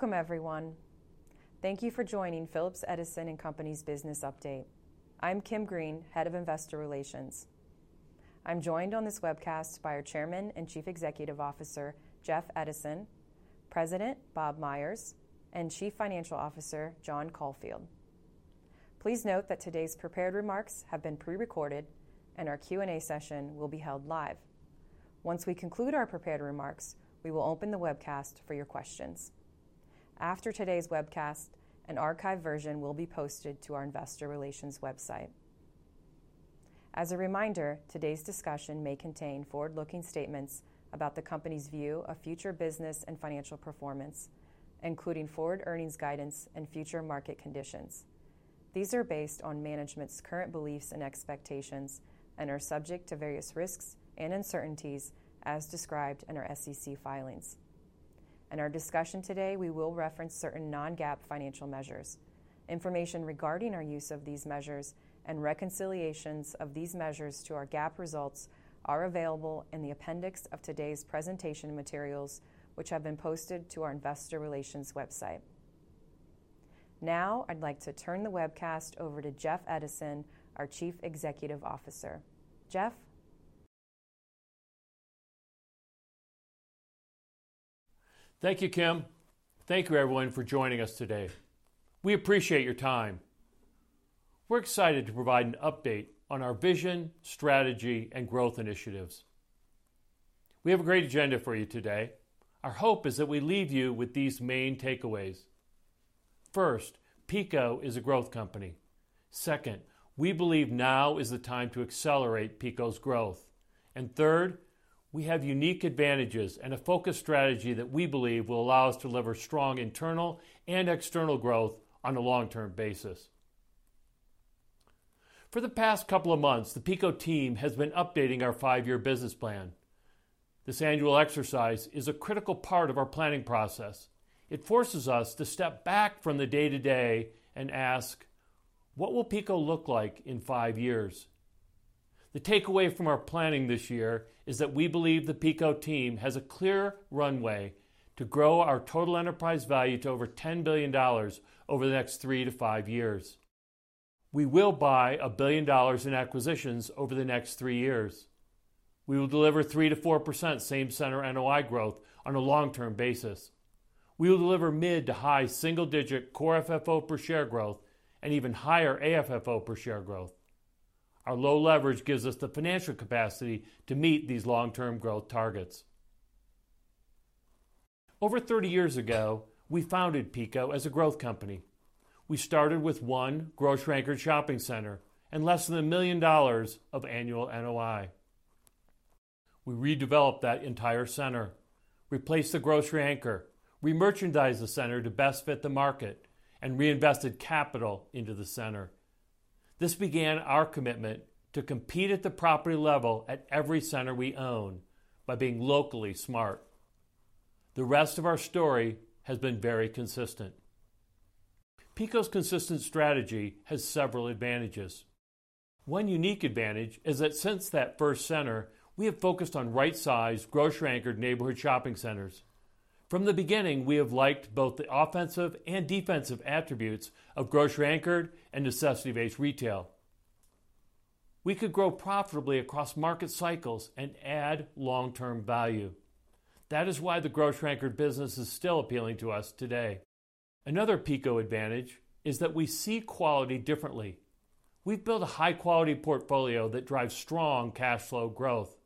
Welcome, everyone. Thank you for joining Phillips Edison & Company's Business Update. I'm Kim Green, Head of Investor Relations. I'm joined on this webcast by our Chairman and Chief Executive Officer, Jeff Edison, President Bob Myers, and Chief Financial Officer, John Caulfield. Please note that today's prepared remarks have been pre-recorded, and our Q&A session will be held live. Once we conclude our prepared remarks, we will open the webcast for your questions. After today's webcast, an archived version will be posted to our Investor Relations website. As a reminder, today's discussion may contain forward-looking statements about the company's view of future business and financial performance, including forward earnings guidance and future market conditions. These are based on management's current beliefs and expectations and are subject to various risks and uncertainties, as described in our SEC filings. In our discussion today, we will reference certain non-GAAP financial measures. Information regarding our use of these measures and reconciliations of these measures to our GAAP results are available in the appendix of today's presentation materials, which have been posted to our Investor Relations website. Now, I'd like to turn the webcast over to Jeff Edison, our Chief Executive Officer. Jeff? Thank you, Kim. Thank you, everyone, for joining us today. We appreciate your time. We're excited to provide an update on our vision, strategy, and growth initiatives. We have a great agenda for you today. Our hope is that we leave you with these main takeaways. First, PECO is a growth company. Second, we believe now is the time to accelerate PECO's growth. And third, we have unique advantages and a focused strategy that we believe will allow us to deliver strong internal and external growth on a long-term basis. For the past couple of months, the PECO team has been updating our five-year business plan. This annual exercise is a critical part of our planning process. It forces us to step back from the day-to-day and ask, "What will PECO look like in five years?" The takeaway from our planning this year is that we believe the PECO team has a clear runway to grow our total enterprise value to over $10 billion over the next three to five years. We will buy $1 billion in acquisitions over the next three years. We will deliver 3%-4% Same-Center NOI growth on a long-term basis. We will deliver mid- to high single-digit core FFO per share growth and even higher AFFO per share growth. Our low leverage gives us the financial capacity to meet these long-term growth targets. Over 30 years ago, we founded PECO as a growth company. We started with one grocery-anchored shopping center and less than $1 million of annual NOI. We redeveloped that entire center, replaced the grocery anchor, re-merchandised the center to best fit the market, and reinvested capital into the center. This began our commitment to compete at the property level at every center we own by being locally smart. The rest of our story has been very consistent. PECO's consistent strategy has several advantages. One unique advantage is that since that first center, we have focused on right-sized, grocery-anchored neighborhood shopping centers. From the beginning, we have liked both the offensive and defensive attributes of grocery-anchored and necessity-based retail. We could grow profitably across market cycles and add long-term value. That is why the grocery-anchored business is still appealing to us today. Another PECO advantage is that we see quality differently. We've built a high-quality portfolio that drives strong cash flow growth.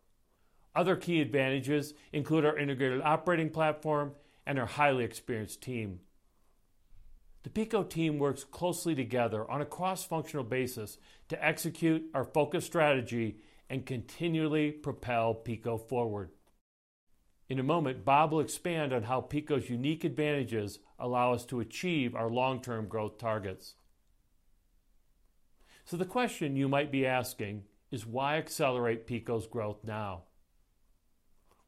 Other key advantages include our integrated operating platform and our highly experienced team. The PECO team works closely together on a cross-functional basis to execute our focused strategy and continually propel PECO forward. In a moment, Bob will expand on how PECO's unique advantages allow us to achieve our long-term growth targets. So the question you might be asking is, "Why accelerate PECO's growth now?"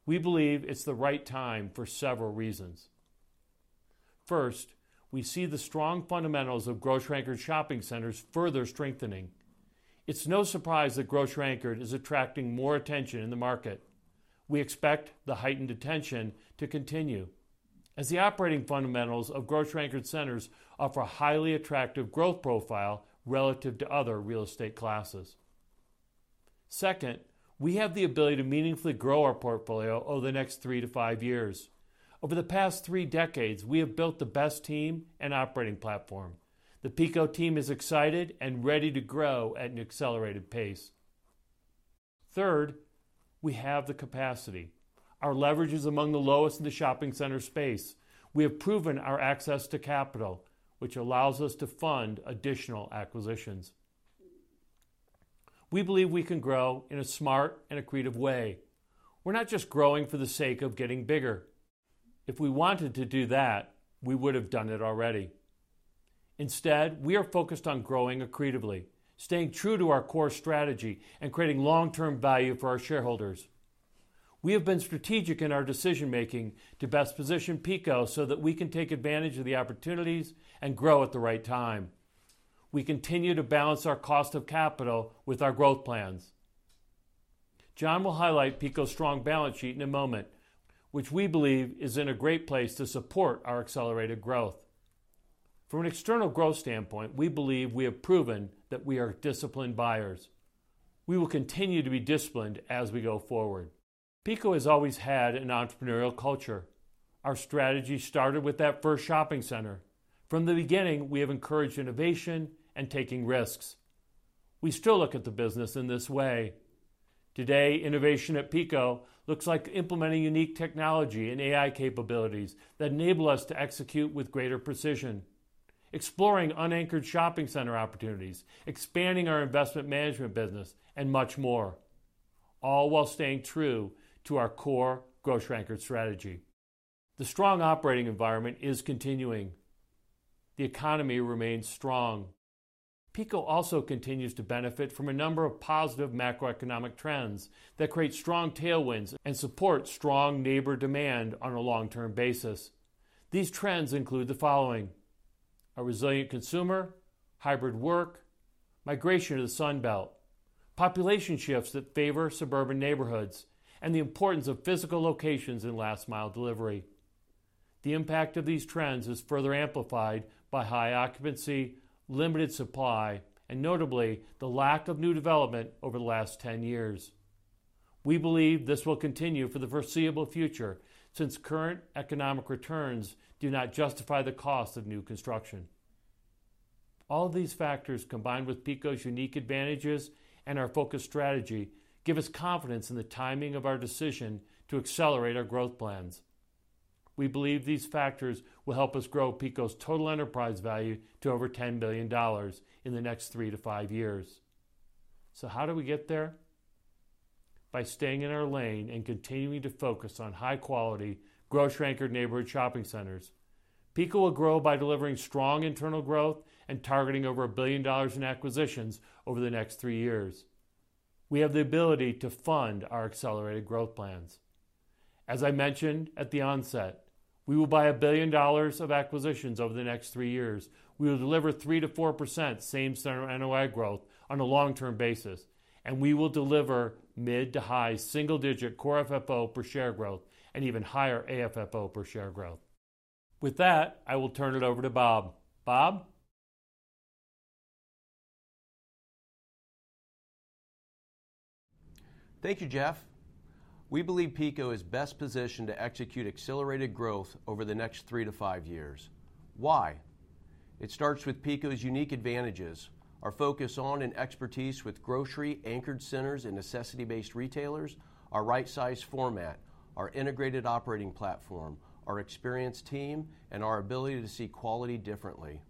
We believe it's the right time for several reasons. First, we see the strong fundamentals of grocery-anchored shopping centers further strengthening. It's no surprise that grocery-anchored is attracting more attention in the market. We expect the heightened attention to continue, as the operating fundamentals of grocery-anchored centers offer a highly attractive growth profile relative to other real estate classes. Second, we have the ability to meaningfully grow our portfolio over the next three to five years. Over the past three decades, we have built the best team and operating platform. The PECO team is excited and ready to grow at an accelerated pace. Third, we have the capacity. Our leverage is among the lowest in the shopping center space. We have proven our access to capital, which allows us to fund additional acquisitions. We believe we can grow in a smart and accretive way. We're not just growing for the sake of getting bigger. If we wanted to do that, we would have done it already. Instead, we are focused on growing accretively, staying true to our core strategy, and creating long-term value for our shareholders. We have been strategic in our decision-making to best position PECO so that we can take advantage of the opportunities and grow at the right time. We continue to balance our cost of capital with our growth plans. John will highlight PECO's strong balance sheet in a moment, which we believe is in a great place to support our accelerated growth. From an external growth standpoint, we believe we have proven that we are disciplined buyers. We will continue to be disciplined as we go forward. PECO has always had an entrepreneurial culture. Our strategy started with that first shopping center. From the beginning, we have encouraged innovation and taking risks. We still look at the business in this way. Today, innovation at PECO looks like implementing unique technology and AI capabilities that enable us to execute with greater precision, exploring unanchored shopping center opportunities, expanding our investment management business, and much more, all while staying true to our core grocery-anchored strategy. The strong operating environment is continuing. The economy remains strong. PECO also continues to benefit from a number of positive macroeconomic trends that create strong tailwinds and support strong neighbor demand on a long-term basis. These trends include the following: a resilient consumer, hybrid work, migration to the Sun Belt, population shifts that favor suburban neighborhoods, and the importance of physical locations in last-mile delivery. The impact of these trends is further amplified by high occupancy, limited supply, and notably, the lack of new development over the last 10 years. We believe this will continue for the foreseeable future since current economic returns do not justify the cost of new construction. All of these factors, combined with PECO's unique advantages and our focused strategy, give us confidence in the timing of our decision to accelerate our growth plans. We believe these factors will help us grow PECO's total enterprise value to over $10 billion in the next three to five years. So how do we get there? By staying in our lane and continuing to focus on high-quality grocery-anchored neighborhood shopping centers. PECO will grow by delivering strong internal growth and targeting over $1 billion in acquisitions over the next three years. We have the ability to fund our accelerated growth plans. As I mentioned at the onset, we will buy $1 billion of acquisitions over the next three years. We will deliver 3%-4% Same-Center NOI growth on a long-term basis, and we will deliver mid to high single-digit core FFO per share growth and even higher AFFO per share growth. With that, I will turn it over to Bob. Bob? Thank you, Jeff. We believe PECO is best positioned to execute accelerated growth over the next three to five years. Why? It starts with PECO's unique advantages, our focus on and expertise with grocery-anchored centers and necessity-based retailers, our right-sized format, our integrated operating platform, our experienced team, and our ability to see quality differently.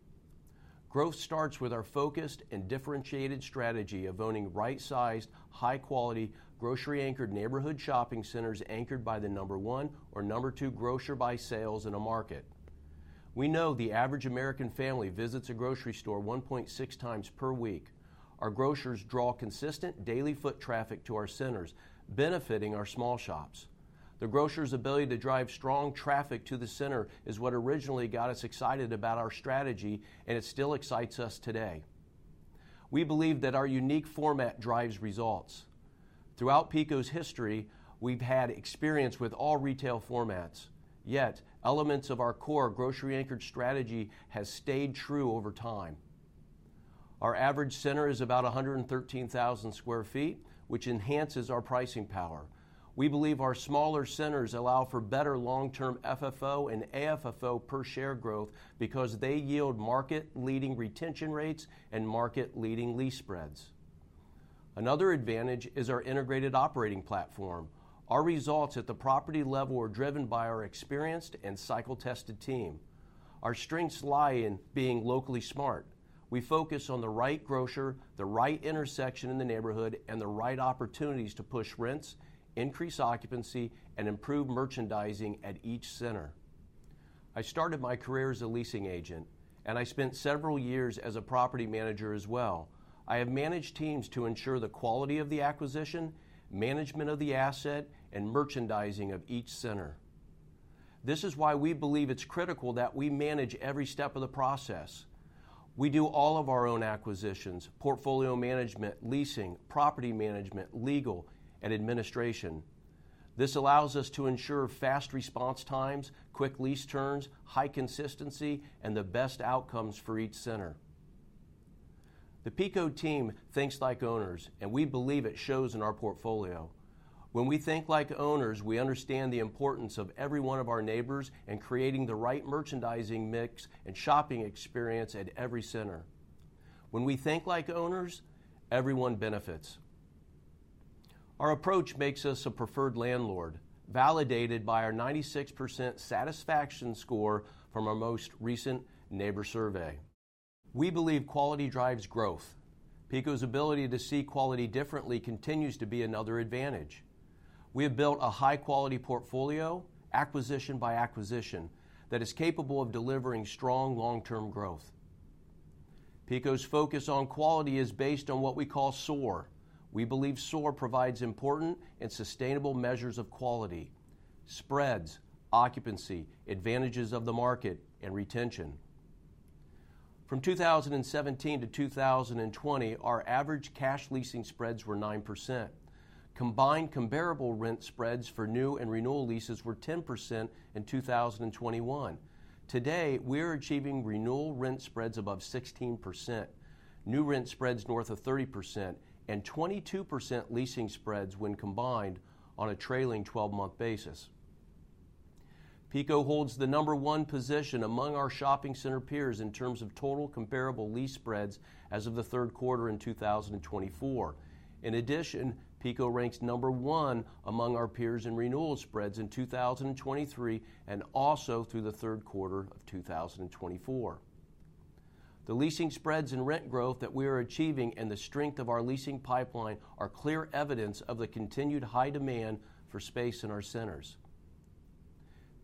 Growth starts with our focused and differentiated strategy of owning right-sized, high-quality, grocery-anchored neighborhood shopping centers anchored by the number one or number two grocer by sales in a market. We know the average American family visits a grocery store 1.6 times per week. Our grocers draw consistent daily foot traffic to our centers, benefiting our small shops. The grocer's ability to drive strong traffic to the center is what originally got us excited about our strategy, and it still excites us today. We believe that our unique format drives results. Throughout PECO's history, we've had experience with all retail formats. Yet, elements of our core grocery-anchored strategy have stayed true over time. Our average center is about 113,000 sq ft, which enhances our pricing power. We believe our smaller centers allow for better long-term FFO and AFFO per share growth because they yield market-leading retention rates and market-leading lease spreads. Another advantage is our integrated operating platform. Our results at the property level are driven by our experienced and cycle-tested team. Our strengths lie in being locally smart. We focus on the right grocer, the right intersection in the neighborhood, and the right opportunities to push rents, increase occupancy, and improve merchandising at each center. I started my career as a leasing agent, and I spent several years as a property manager as well. I have managed teams to ensure the quality of the acquisition, management of the asset, and merchandising of each center. This is why we believe it's critical that we manage every step of the process. We do all of our own acquisitions: portfolio management, leasing, property management, legal, and administration. This allows us to ensure fast response times, quick lease turns, high consistency, and the best outcomes for each center. The PECO team thinks like owners, and we believe it shows in our portfolio. When we think like owners, we understand the importance of every one of our neighbors and creating the right merchandising mix and shopping experience at every center. When we think like owners, everyone benefits. Our approach makes us a preferred landlord, validated by our 96% satisfaction score from our most recent neighbor survey. We believe quality drives growth. PECO's ability to see quality differently continues to be another advantage. We have built a high-quality portfolio, acquisition by acquisition, that is capable of delivering strong long-term growth. PECO's focus on quality is based on what we call SOAR. We believe SOAR provides important and sustainable measures of quality: spreads, occupancy, advantages of the market, and retention. From 2017 to 2020, our average cash leasing spreads were 9%. Combined comparable rent spreads for new and renewal leases were 10% in 2021. Today, we are achieving renewal rent spreads above 16%, new rent spreads north of 30%, and 22% leasing spreads when combined on a trailing 12-month basis. PECO holds the number one position among our shopping center peers in terms of total comparable lease spreads as of the third quarter in 2024. In addition, PECO ranks number one among our peers in renewal spreads in 2023 and also through the third quarter of 2024. The leasing spreads and rent growth that we are achieving and the strength of our leasing pipeline are clear evidence of the continued high demand for space in our centers.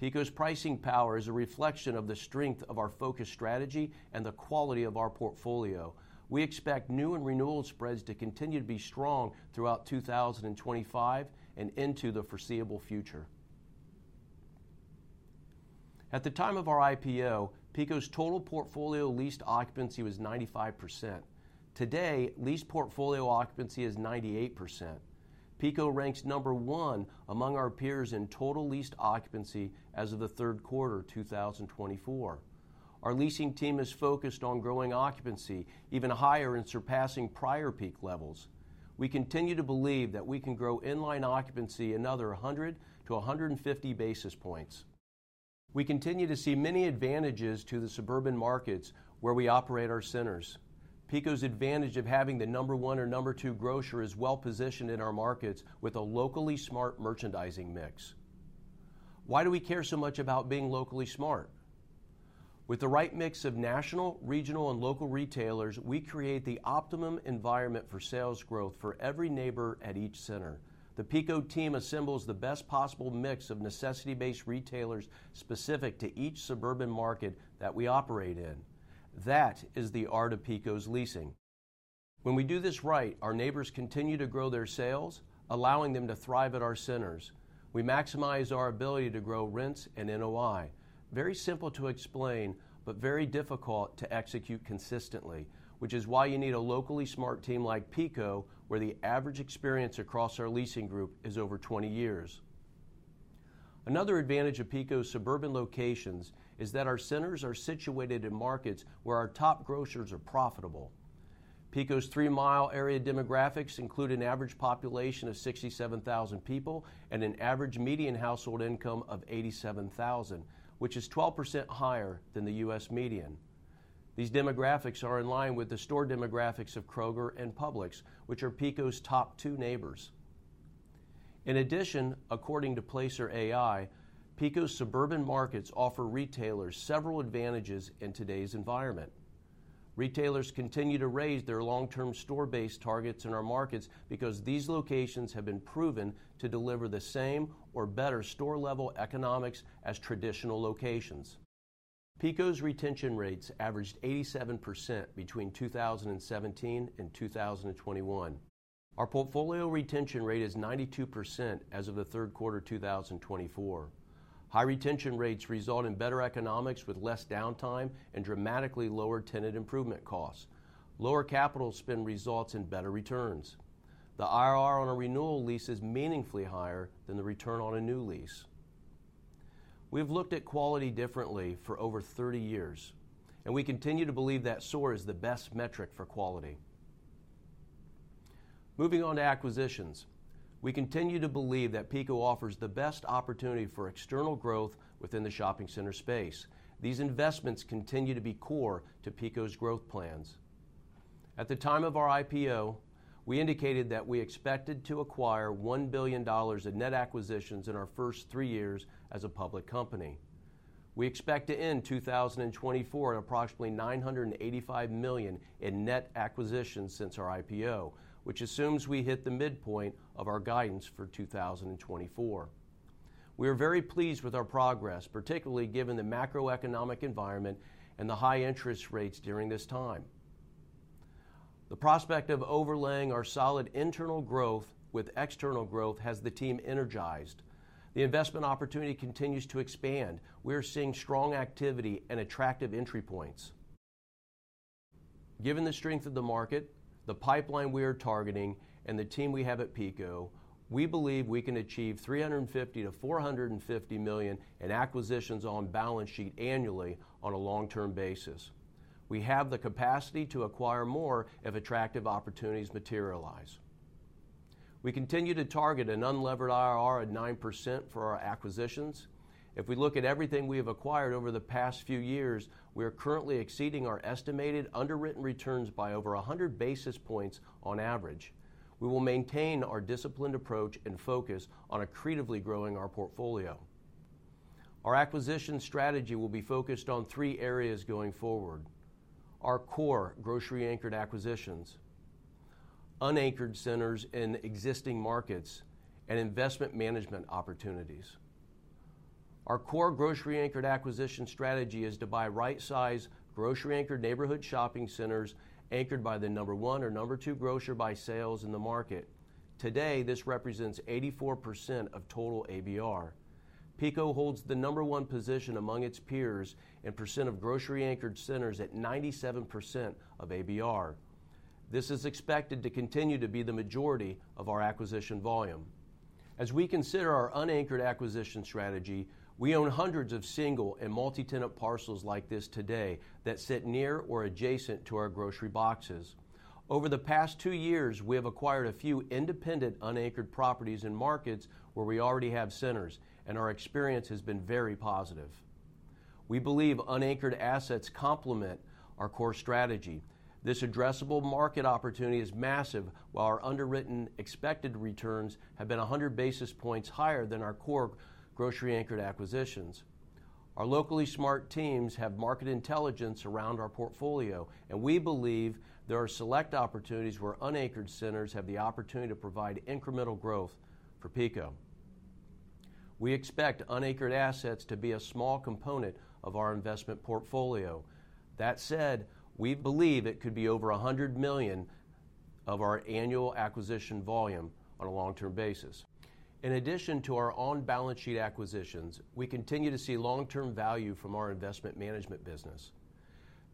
PECO's pricing power is a reflection of the strength of our focused strategy and the quality of our portfolio. We expect new and renewal spreads to continue to be strong throughout 2025 and into the foreseeable future. At the time of our IPO, PECO's total portfolio leased occupancy was 95%. Today, leased portfolio occupancy is 98%. PECO ranks number one among our peers in total leased occupancy as of the third quarter 2024. Our leasing team is focused on growing occupancy even higher and surpassing prior peak levels. We continue to believe that we can grow inline occupancy another 100 to 150 basis points. We continue to see many advantages to the suburban markets where we operate our centers. PECO's advantage of having the number one or number two grocer is well-positioned in our markets with a locally smart merchandising mix. Why do we care so much about being locally smart? With the right mix of national, regional, and local retailers, we create the optimum environment for sales growth for every neighbor at each center. The PECO team assembles the best possible mix of necessity-based retailers specific to each suburban market that we operate in. That is the art of PECO's leasing. When we do this right, our neighbors continue to grow their sales, allowing them to thrive at our centers. We maximize our ability to grow rents and NOI. Very simple to explain, but very difficult to execute consistently, which is why you need a locally smart team like PECO, where the average experience across our leasing group is over 20 years. Another advantage of PECO's suburban locations is that our centers are situated in markets where our top grocers are profitable. PECO's three-mile area demographics include an average population of 67,000 people and an average median household income of 87,000, which is 12% higher than the U.S. median. These demographics are in line with the store demographics of Kroger and Publix, which are PECO's top two neighbors. In addition, according to Placer.ai, PECO's suburban markets offer retailers several advantages in today's environment. Retailers continue to raise their long-term store-based targets in our markets because these locations have been proven to deliver the same or better store-level economics as traditional locations. PECO's retention rates averaged 87% between 2017 and 2021. Our portfolio retention rate is 92% as of the third quarter 2024. High retention rates result in better economics with less downtime and dramatically lower tenant improvement costs. Lower capital spend results in better returns. The IRR on a renewal lease is meaningfully higher than the return on a new lease. We have looked at quality differently for over 30 years, and we continue to believe that SOAR is the best metric for quality. Moving on to acquisitions, we continue to believe that PECO offers the best opportunity for external growth within the shopping center space. These investments continue to be core to PECO's growth plans. At the time of our IPO, we indicated that we expected to acquire $1 billion in net acquisitions in our first three years as a public company. We expect to end 2024 at approximately $985 million in net acquisitions since our IPO, which assumes we hit the midpoint of our guidance for 2024. We are very pleased with our progress, particularly given the macroeconomic environment and the high interest rates during this time. The prospect of overlaying our solid internal growth with external growth has the team energized. The investment opportunity continues to expand. We are seeing strong activity and attractive entry points. Given the strength of the market, the pipeline we are targeting, and the team we have at PECO, we believe we can achieve $350-$450 million in acquisitions on balance sheet annually on a long-term basis. We have the capacity to acquire more if attractive opportunities materialize. We continue to target an unlevered IRR at 9% for our acquisitions. If we look at everything we have acquired over the past few years, we are currently exceeding our estimated underwritten returns by over 100 basis points on average. We will maintain our disciplined approach and focus on accretively growing our portfolio. Our acquisition strategy will be focused on three areas going forward: our core grocery-anchored acquisitions, unanchored centers in existing markets, and investment management opportunities. Our core grocery-anchored acquisition strategy is to buy right-sized grocery-anchored neighborhood shopping centers anchored by the number one or number two grocer by sales in the market. Today, this represents 84% of total ABR. PECO holds the number one position among its peers in % of grocery-anchored centers at 97% of ABR. This is expected to continue to be the majority of our acquisition volume. As we consider our unanchored acquisition strategy, we own hundreds of single and multi-tenant parcels like this today that sit near or adjacent to our grocery boxes. Over the past two years, we have acquired a few independent unanchored properties and markets where we already have centers, and our experience has been very positive. We believe unanchored assets complement our core strategy. This addressable market opportunity is massive, while our underwritten expected returns have been 100 basis points higher than our core grocery-anchored acquisitions. Our locally smart teams have market intelligence around our portfolio, and we believe there are select opportunities where unanchored centers have the opportunity to provide incremental growth for PECO. We expect unanchored assets to be a small component of our investment portfolio. That said, we believe it could be over $100 million of our annual acquisition volume on a long-term basis. In addition to our own balance sheet acquisitions, we continue to see long-term value from our investment management business.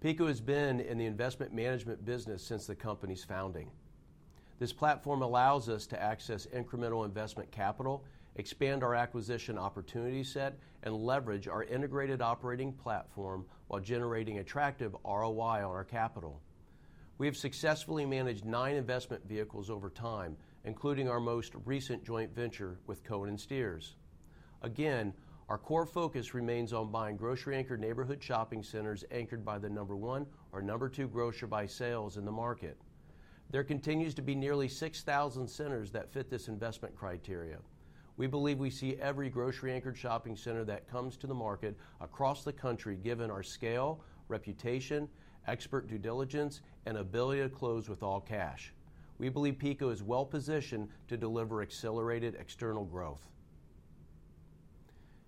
PECO has been in the investment management business since the company's founding. This platform allows us to access incremental investment capital, expand our acquisition opportunity set, and leverage our integrated operating platform while generating attractive ROI on our capital. We have successfully managed nine investment vehicles over time, including our most recent joint venture with Cohen & Steers. Again, our core focus remains on buying grocery-anchored neighborhood shopping centers anchored by the number one or number two grocer by sales in the market. There continues to be nearly 6,000 centers that fit this investment criteria. We believe we see every grocery-anchored shopping center that comes to the market across the country, given our scale, reputation, expert due diligence, and ability to close with all cash. We believe PECO is well-positioned to deliver accelerated external growth.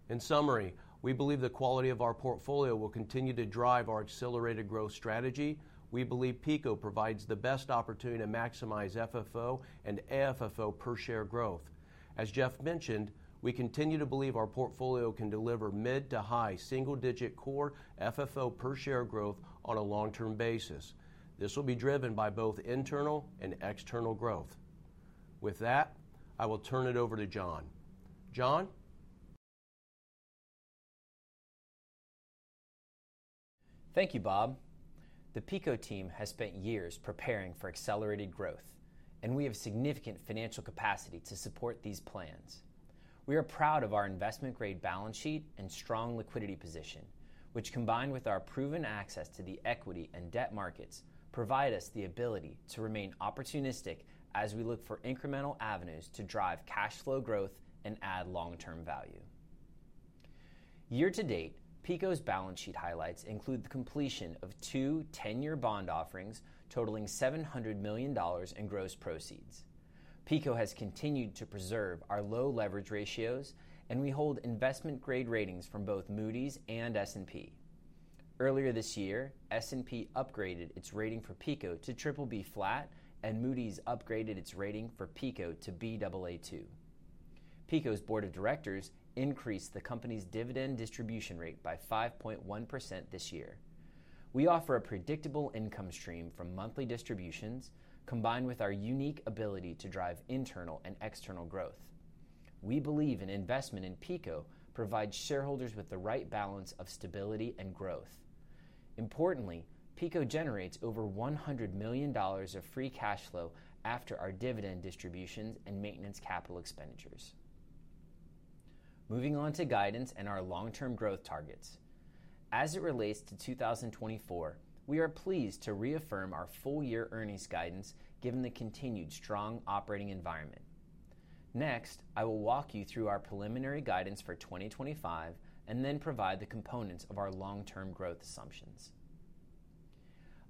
In summary, we believe the quality of our portfolio will continue to drive our accelerated growth strategy. We believe PECO provides the best opportunity to maximize FFO and AFFO per share growth. As Jeff mentioned, we continue to believe our portfolio can deliver mid to high single-digit core FFO per share growth on a long-term basis. This will be driven by both internal and external growth. With that, I will turn it over to John. John. Thank you, Bob. The PECO team has spent years preparing for accelerated growth, and we have significant financial capacity to support these plans. We are proud of our investment-grade balance sheet and strong liquidity position, which, combined with our proven access to the equity and debt markets, provide us the ability to remain opportunistic as we look for incremental avenues to drive cash flow growth and add long-term value. Year to date, PECO's balance sheet highlights include the completion of two 10-year bond offerings totaling $700 million in gross proceeds. PECO has continued to preserve our low leverage ratios, and we hold investment-grade ratings from both Moody's and S&P. Earlier this year, S&P upgraded its rating for PECO to BBB flat, and Moody's upgraded its rating for PECO to Baa2. PECO's board of directors increased the company's dividend distribution rate by 5.1% this year. We offer a predictable income stream from monthly distributions, combined with our unique ability to drive internal and external growth. We believe an investment in PECO provides shareholders with the right balance of stability and growth. Importantly, PECO generates over $100 million of free cash flow after our dividend distributions and maintenance capital expenditures. Moving on to guidance and our long-term growth targets. As it relates to 2024, we are pleased to reaffirm our full-year earnings guidance, given the continued strong operating environment. Next, I will walk you through our preliminary guidance for 2025 and then provide the components of our long-term growth assumptions.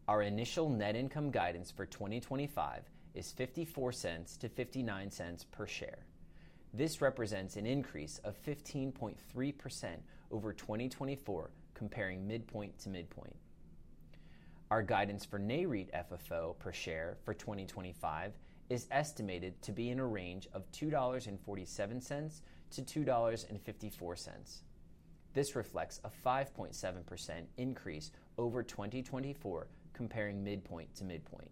Our initial net income guidance for 2025 is $0.54-$0.59 per share. This represents an increase of 15.3% over 2024, comparing midpoint to midpoint. Our guidance for Nareit FFO per share for 2025 is estimated to be in a range of $2.47-$2.54. This reflects a 5.7% increase over 2024, comparing midpoint to midpoint.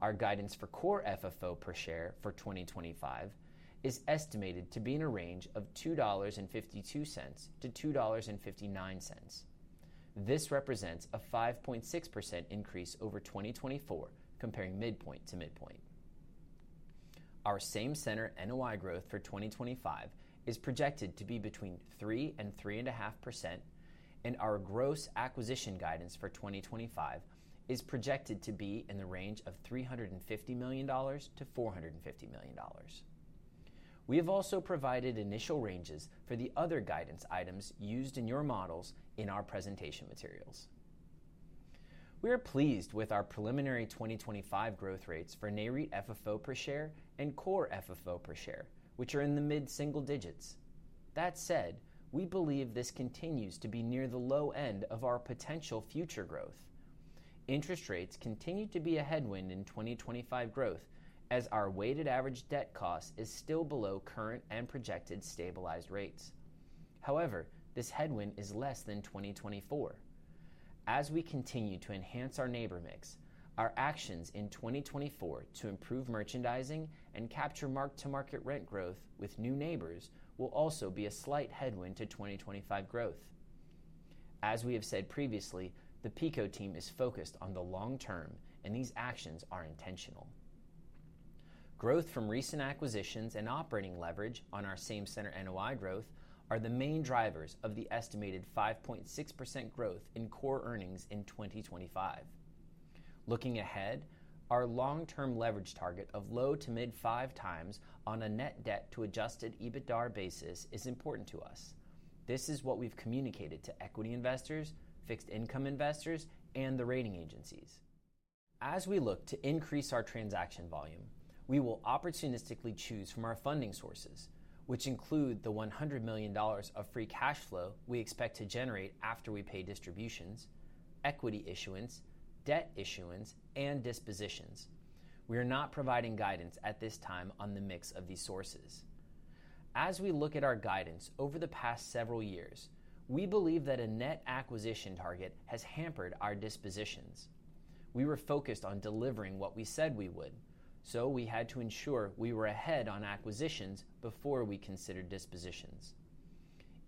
Our guidance for Core FFO per share for 2025 is estimated to be in a range of $2.52-$2.59. This represents a 5.6% increase over 2024, comparing midpoint to midpoint. Our Same-Center NOI growth for 2025 is projected to be between 3 and 3.5%, and our gross acquisition guidance for 2025 is projected to be in the range of $350 million-$450 million. We have also provided initial ranges for the other guidance items used in your models in our presentation materials. We are pleased with our preliminary 2025 growth rates for Nareit FFO per share and Core FFO per share, which are in the mid-single digits. That said, we believe this continues to be near the low end of our potential future growth. Interest rates continue to be a headwind in 2025 growth, as our weighted average debt cost is still below current and projected stabilized rates. However, this headwind is less than 2024. As we continue to enhance our neighbor mix, our actions in 2024 to improve merchandising and capture mark-to-market rent growth with new neighbors will also be a slight headwind to 2025 growth. As we have said previously, the PECO team is focused on the long term, and these actions are intentional. Growth from recent acquisitions and operating leverage on our same center NOI growth are the main drivers of the estimated 5.6% growth in core earnings in 2025. Looking ahead, our long-term leverage target of low to mid five times on a net debt to adjusted EBITDA basis is important to us. This is what we've communicated to equity investors, fixed income investors, and the rating agencies. As we look to increase our transaction volume, we will opportunistically choose from our funding sources, which include the $100 million of free cash flow we expect to generate after we pay distributions, equity issuance, debt issuance, and dispositions. We are not providing guidance at this time on the mix of these sources. As we look at our guidance over the past several years, we believe that a net acquisition target has hampered our dispositions. We were focused on delivering what we said we would, so we had to ensure we were ahead on acquisitions before we considered dispositions.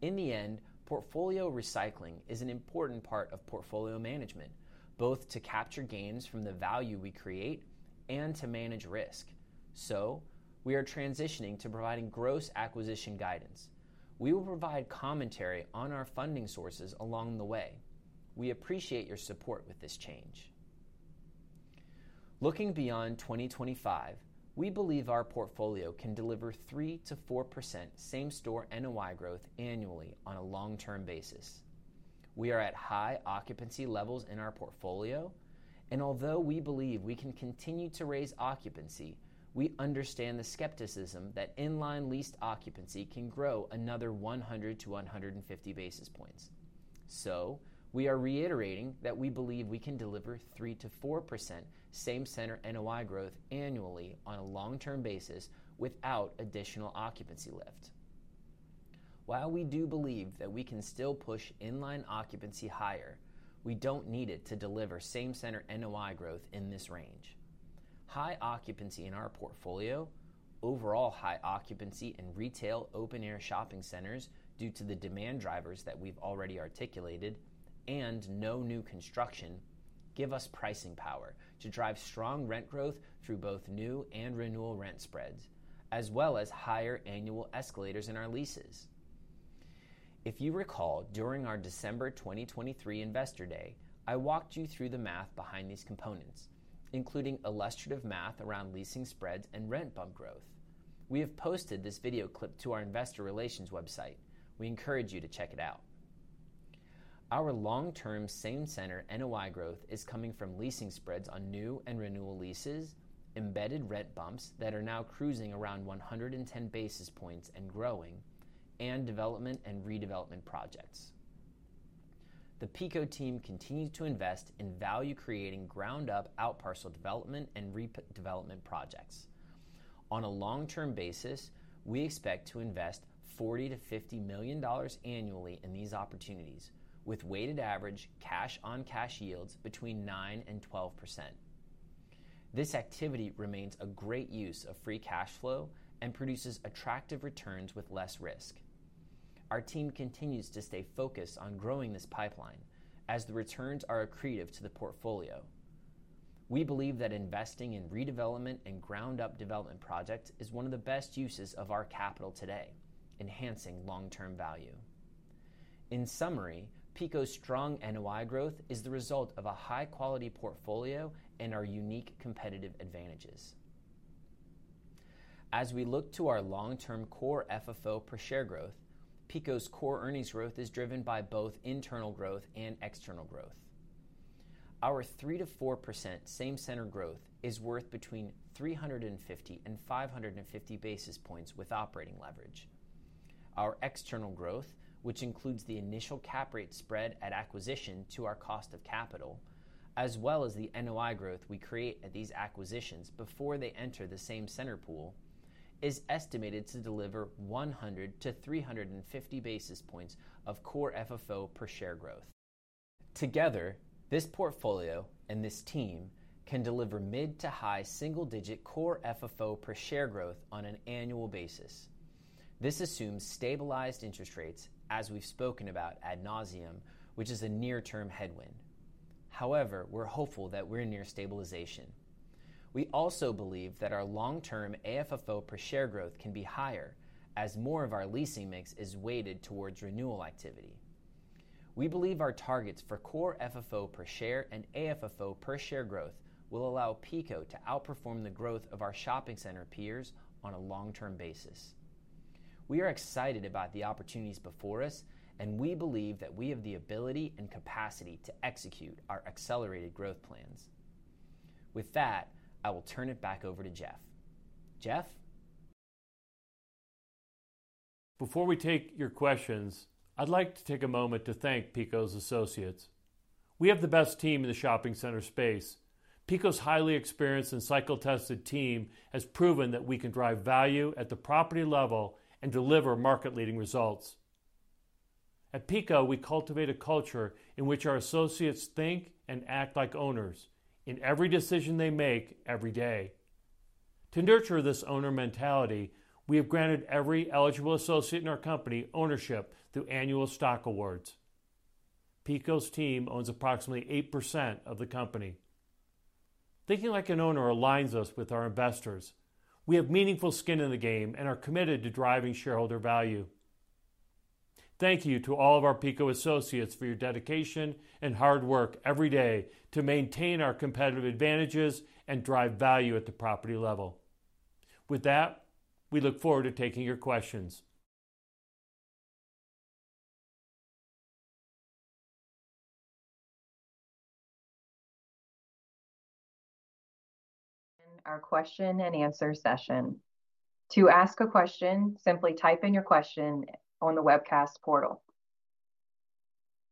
In the end, portfolio recycling is an important part of portfolio management, both to capture gains from the value we create and to manage risk, so we are transitioning to providing gross acquisition guidance. We will provide commentary on our funding sources along the way. We appreciate your support with this change. Looking beyond 2025, we believe our portfolio can deliver 3%-4% Same-Center NOI growth annually on a long-term basis. We are at high occupancy levels in our portfolio, and although we believe we can continue to raise occupancy, we understand the skepticism that inline leased occupancy can grow another 100 to 150 basis points. So, we are reiterating that we believe we can deliver 3%-4% Same-Center NOI growth annually on a long-term basis without additional occupancy lift. While we do believe that we can still push inline occupancy higher, we don't need it to deliver Same-Center NOI growth in this range. High occupancy in our portfolio, overall high occupancy in retail open-air shopping centers due to the demand drivers that we've already articulated, and no new construction give us pricing power to drive strong rent growth through both new and renewal rent spreads, as well as higher annual escalators in our leases. If you recall, during our December 2023 Investor Day, I walked you through the math behind these components, including illustrative math around leasing spreads and rent bump growth. We have posted this video clip to our Investor Relations website. We encourage you to check it out. Our long-term Same-Center NOI growth is coming from leasing spreads on new and renewal leases, embedded rent bumps that are now cruising around 110 basis points and growing, and development and redevelopment projects. The PECO team continues to invest in value-creating ground-up outparcel development and redevelopment projects. On a long-term basis, we expect to invest $40-$50 million annually in these opportunities, with weighted average cash-on-cash yields between 9%-12%. This activity remains a great use of free cash flow and produces attractive returns with less risk. Our team continues to stay focused on growing this pipeline, as the returns are accretive to the portfolio. We believe that investing in redevelopment and ground-up development projects is one of the best uses of our capital today, enhancing long-term value. In summary, PECO's strong NOI growth is the result of a high-quality portfolio and our unique competitive advantages. As we look to our long-term core FFO per share growth, PECO's core earnings growth is driven by both internal growth and external growth. Our 3%-4% same center growth is worth between $350-$550 basis points with operating leverage. Our external growth, which includes the initial cap rate spread at acquisition to our cost of capital, as well as the NOI growth we create at these acquisitions before they enter the same center pool, is estimated to deliver 100-350 basis points of core FFO per share growth. Together, this portfolio and this team can deliver mid to high single-digit core FFO per share growth on an annual basis. This assumes stabilized interest rates, as we've spoken about ad nauseam, which is a near-term headwind. However, we're hopeful that we're near stabilization. We also believe that our long-term AFFO per share growth can be higher, as more of our leasing mix is weighted towards renewal activity. We believe our targets for core FFO per share and AFFO per share growth will allow PECO to outperform the growth of our shopping center peers on a long-term basis. We are excited about the opportunities before us, and we believe that we have the ability and capacity to execute our accelerated growth plans. With that, I will turn it back over to Jeff. Jeff? Before we take your questions, I'd like to take a moment to thank PECO's associates. We have the best team in the shopping center space. PECO's highly experienced and cycle-tested team has proven that we can drive value at the property level and deliver market-leading results. At PECO, we cultivate a culture in which our associates think and act like owners in every decision they make every day. To nurture this owner mentality, we have granted every eligible associate in our company ownership through annual stock awards. PECO's team owns approximately 8% of the company. Thinking like an owner aligns us with our investors. We have meaningful skin in the game and are committed to driving shareholder value. Thank you to all of our PECO associates for your dedication and hard work every day to maintain our competitive advantages and drive value at the property level. With that, we look forward to taking your questions. Our question and answer session. To ask a question, simply type in your question on the webcast portal.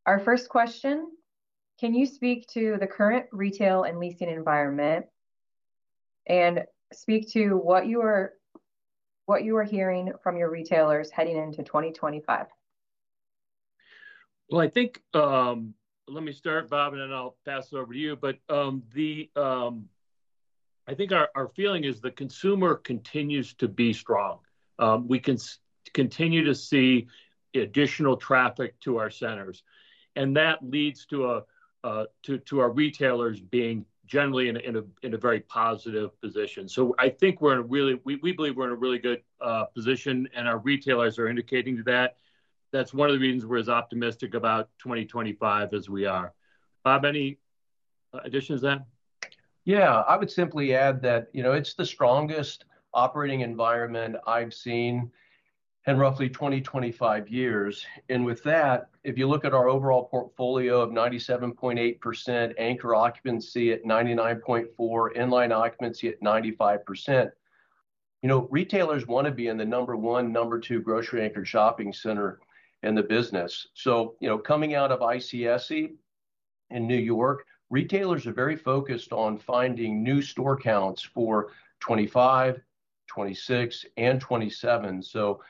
Our first question: Can you speak to the current retail and leasing environment and speak to what you are hearing from your retailers heading into 2025? Well, I think, let me start, Bob, and then I'll pass it over to you. But I think our feeling is the consumer continues to be strong. We can continue to see additional traffic to our centers. And that leads to our retailers being generally in a very positive position. So I think we're in a really, we believe we're in a really good position, and our retailers are indicating to that. That's one of the reasons we're as optimistic about 2025 as we are. Bob, any additions to that? Yeah, I would simply add that it's the strongest operating environment I've seen in roughly 25 years. And with that, if you look at our overall portfolio of 97.8% anchor occupancy at 99.4%, inline occupancy at 95%, retailers want to be in the number one, number two grocery anchor shopping center in the business. So coming out of ICSC in New York, retailers are very focused on finding new store counts for 2025, 2026, and 2027. So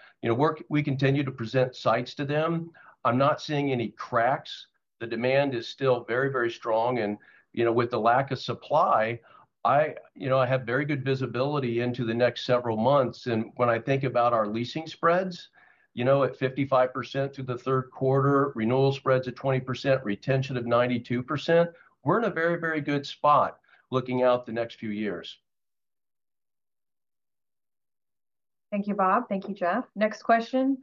we continue to present sites to them. I'm not seeing any cracks. The demand is still very, very strong. With the lack of supply, I have very good visibility into the next several months. When I think about our leasing spreads at 55% through the third quarter, renewal spreads at 20%, retention of 92%, we're in a very, very good spot looking out the next few years. Thank you, Bob. Thank you, Jeff. Next question.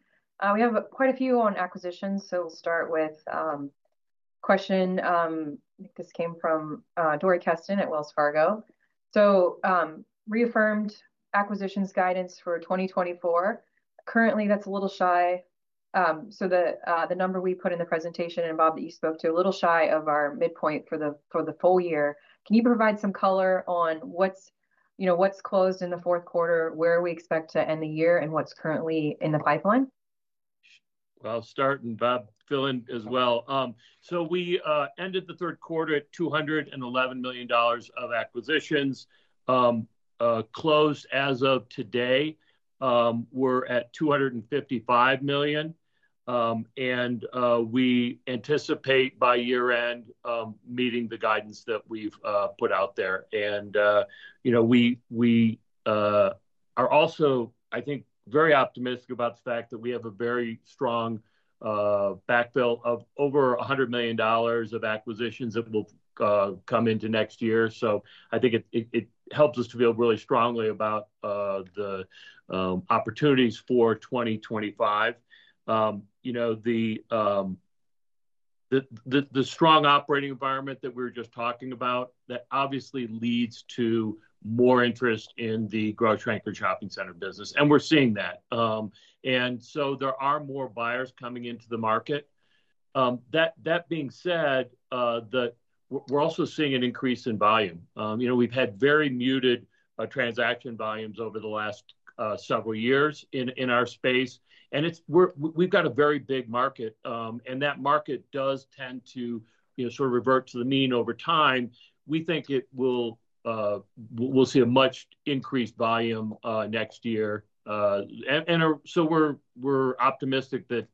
We have quite a few on acquisitions, so we'll start with a question. This came from Dory Kesten at Wells Fargo. Reaffirmed acquisitions guidance for 2024. Currently, that's a little shy. The number we put in the presentation and Bob that you spoke to, a little shy of our midpoint for the full year. Can you provide some color on what's closed in the fourth quarter, where we expect to end the year, and what's currently in the pipeline? I'll start, and Bob, fill in as well. So we ended the third quarter at $211 million of acquisitions. Closed as of today, we're at $255 million. And we anticipate by year-end meeting the guidance that we've put out there. And we are also, I think, very optimistic about the fact that we have a very strong backfill of over $100 million of acquisitions that will come into next year. So I think it helps us to feel really strongly about the opportunities for 2025. The strong operating environment that we were just talking about, that obviously leads to more interest in the grocery anchor shopping center business. And we're seeing that. And so there are more buyers coming into the market. That being said, we're also seeing an increase in volume. We've had very muted transaction volumes over the last several years in our space. And we've got a very big market. That market does tend to sort of revert to the mean over time. We think we'll see a much increased volume next year. We're optimistic that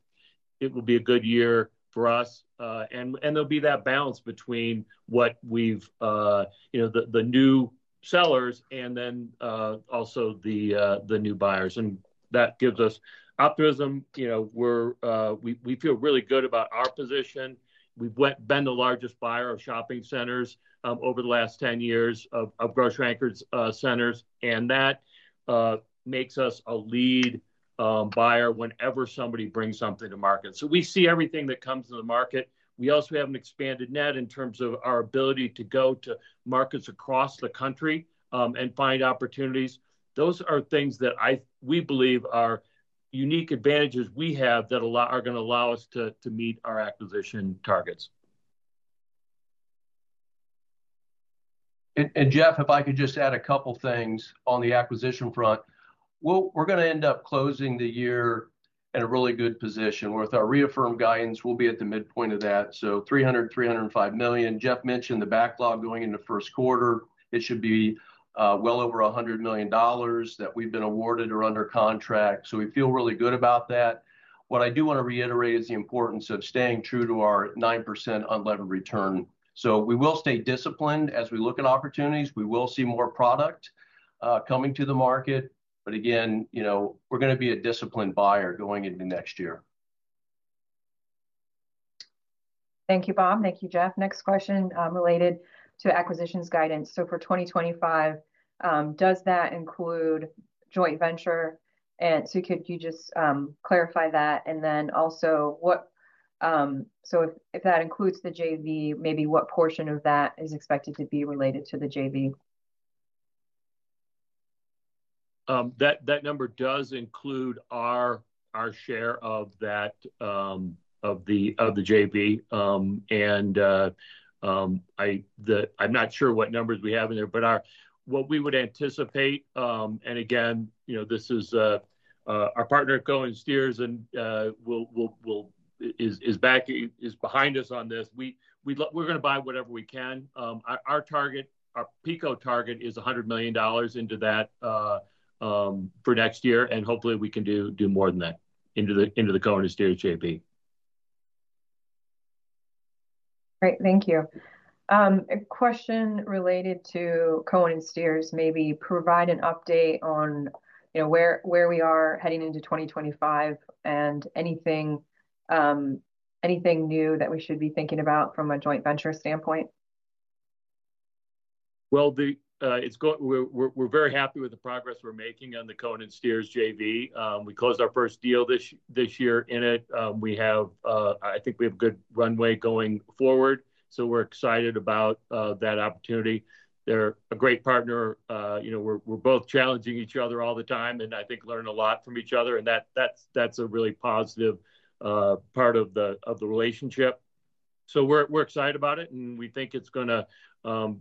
it will be a good year for us. There'll be that balance between what we've, the new sellers and then also the new buyers. That gives us optimism. We feel really good about our position. We've been the largest buyer of shopping centers over the last 10 years of grocery anchor centers. That makes us a lead buyer whenever somebody brings something to market. We see everything that comes to the market. We also have an expanded net in terms of our ability to go to markets across the country and find opportunities. Those are things that we believe are unique advantages we have that are going to allow us to meet our acquisition targets. And Jeff, if I could just add a couple of things on the acquisition front. We're going to end up closing the year in a really good position. With our reaffirmed guidance, we'll be at the midpoint of that. So $300-$305 million. Jeff mentioned the backlog going into first quarter. It should be well over $100 million that we've been awarded or under contract. So we feel really good about that. What I do want to reiterate is the importance of staying true to our 9% unlevered return. So we will stay disciplined as we look at opportunities. We will see more product coming to the market. But again, we're going to be a disciplined buyer going into next year. Thank you, Bob. Thank you, Jeff. Next question related to acquisitions guidance. So for 2025, does that include joint venture? And so could you just clarify that? And then also, so if that includes the JV, maybe what portion of that is expected to be related to the JV? That number does include our share of the JV. And I'm not sure what numbers we have in there, but what we would anticipate, and again, this is our partner, Cohen & Steers, is behind us on this. We're going to buy whatever we can. Our PECO target is $100 million into that for next year. And hopefully, we can do more than that into the Cohen & Steers JV. Great. Thank you. A question related to Cohen & Steers. Maybe provide an update on where we are heading into 2025 and anything new that we should be thinking about from a joint venture standpoint. Well, we're very happy with the progress we're making on the Cohen & Steers JV. We closed our first deal this year in it. I think we have a good runway going forward. So we're excited about that opportunity. They're a great partner. We're both challenging each other all the time and I think learn a lot from each other. And that's a really positive part of the relationship. So we're excited about it. And we think it's going to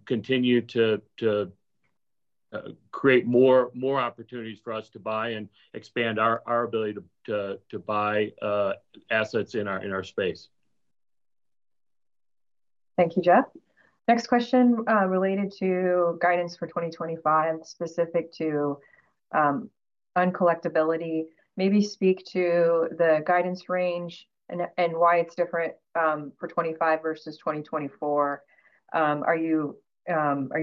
continue to create more opportunities for us to buy and expand our ability to buy assets in our space. \ Thank you, Jeff. Next question related to guidance for 2025 specific to uncollectibility. Maybe speak to the guidance range and why it's different for 2025 versus 2024. Are you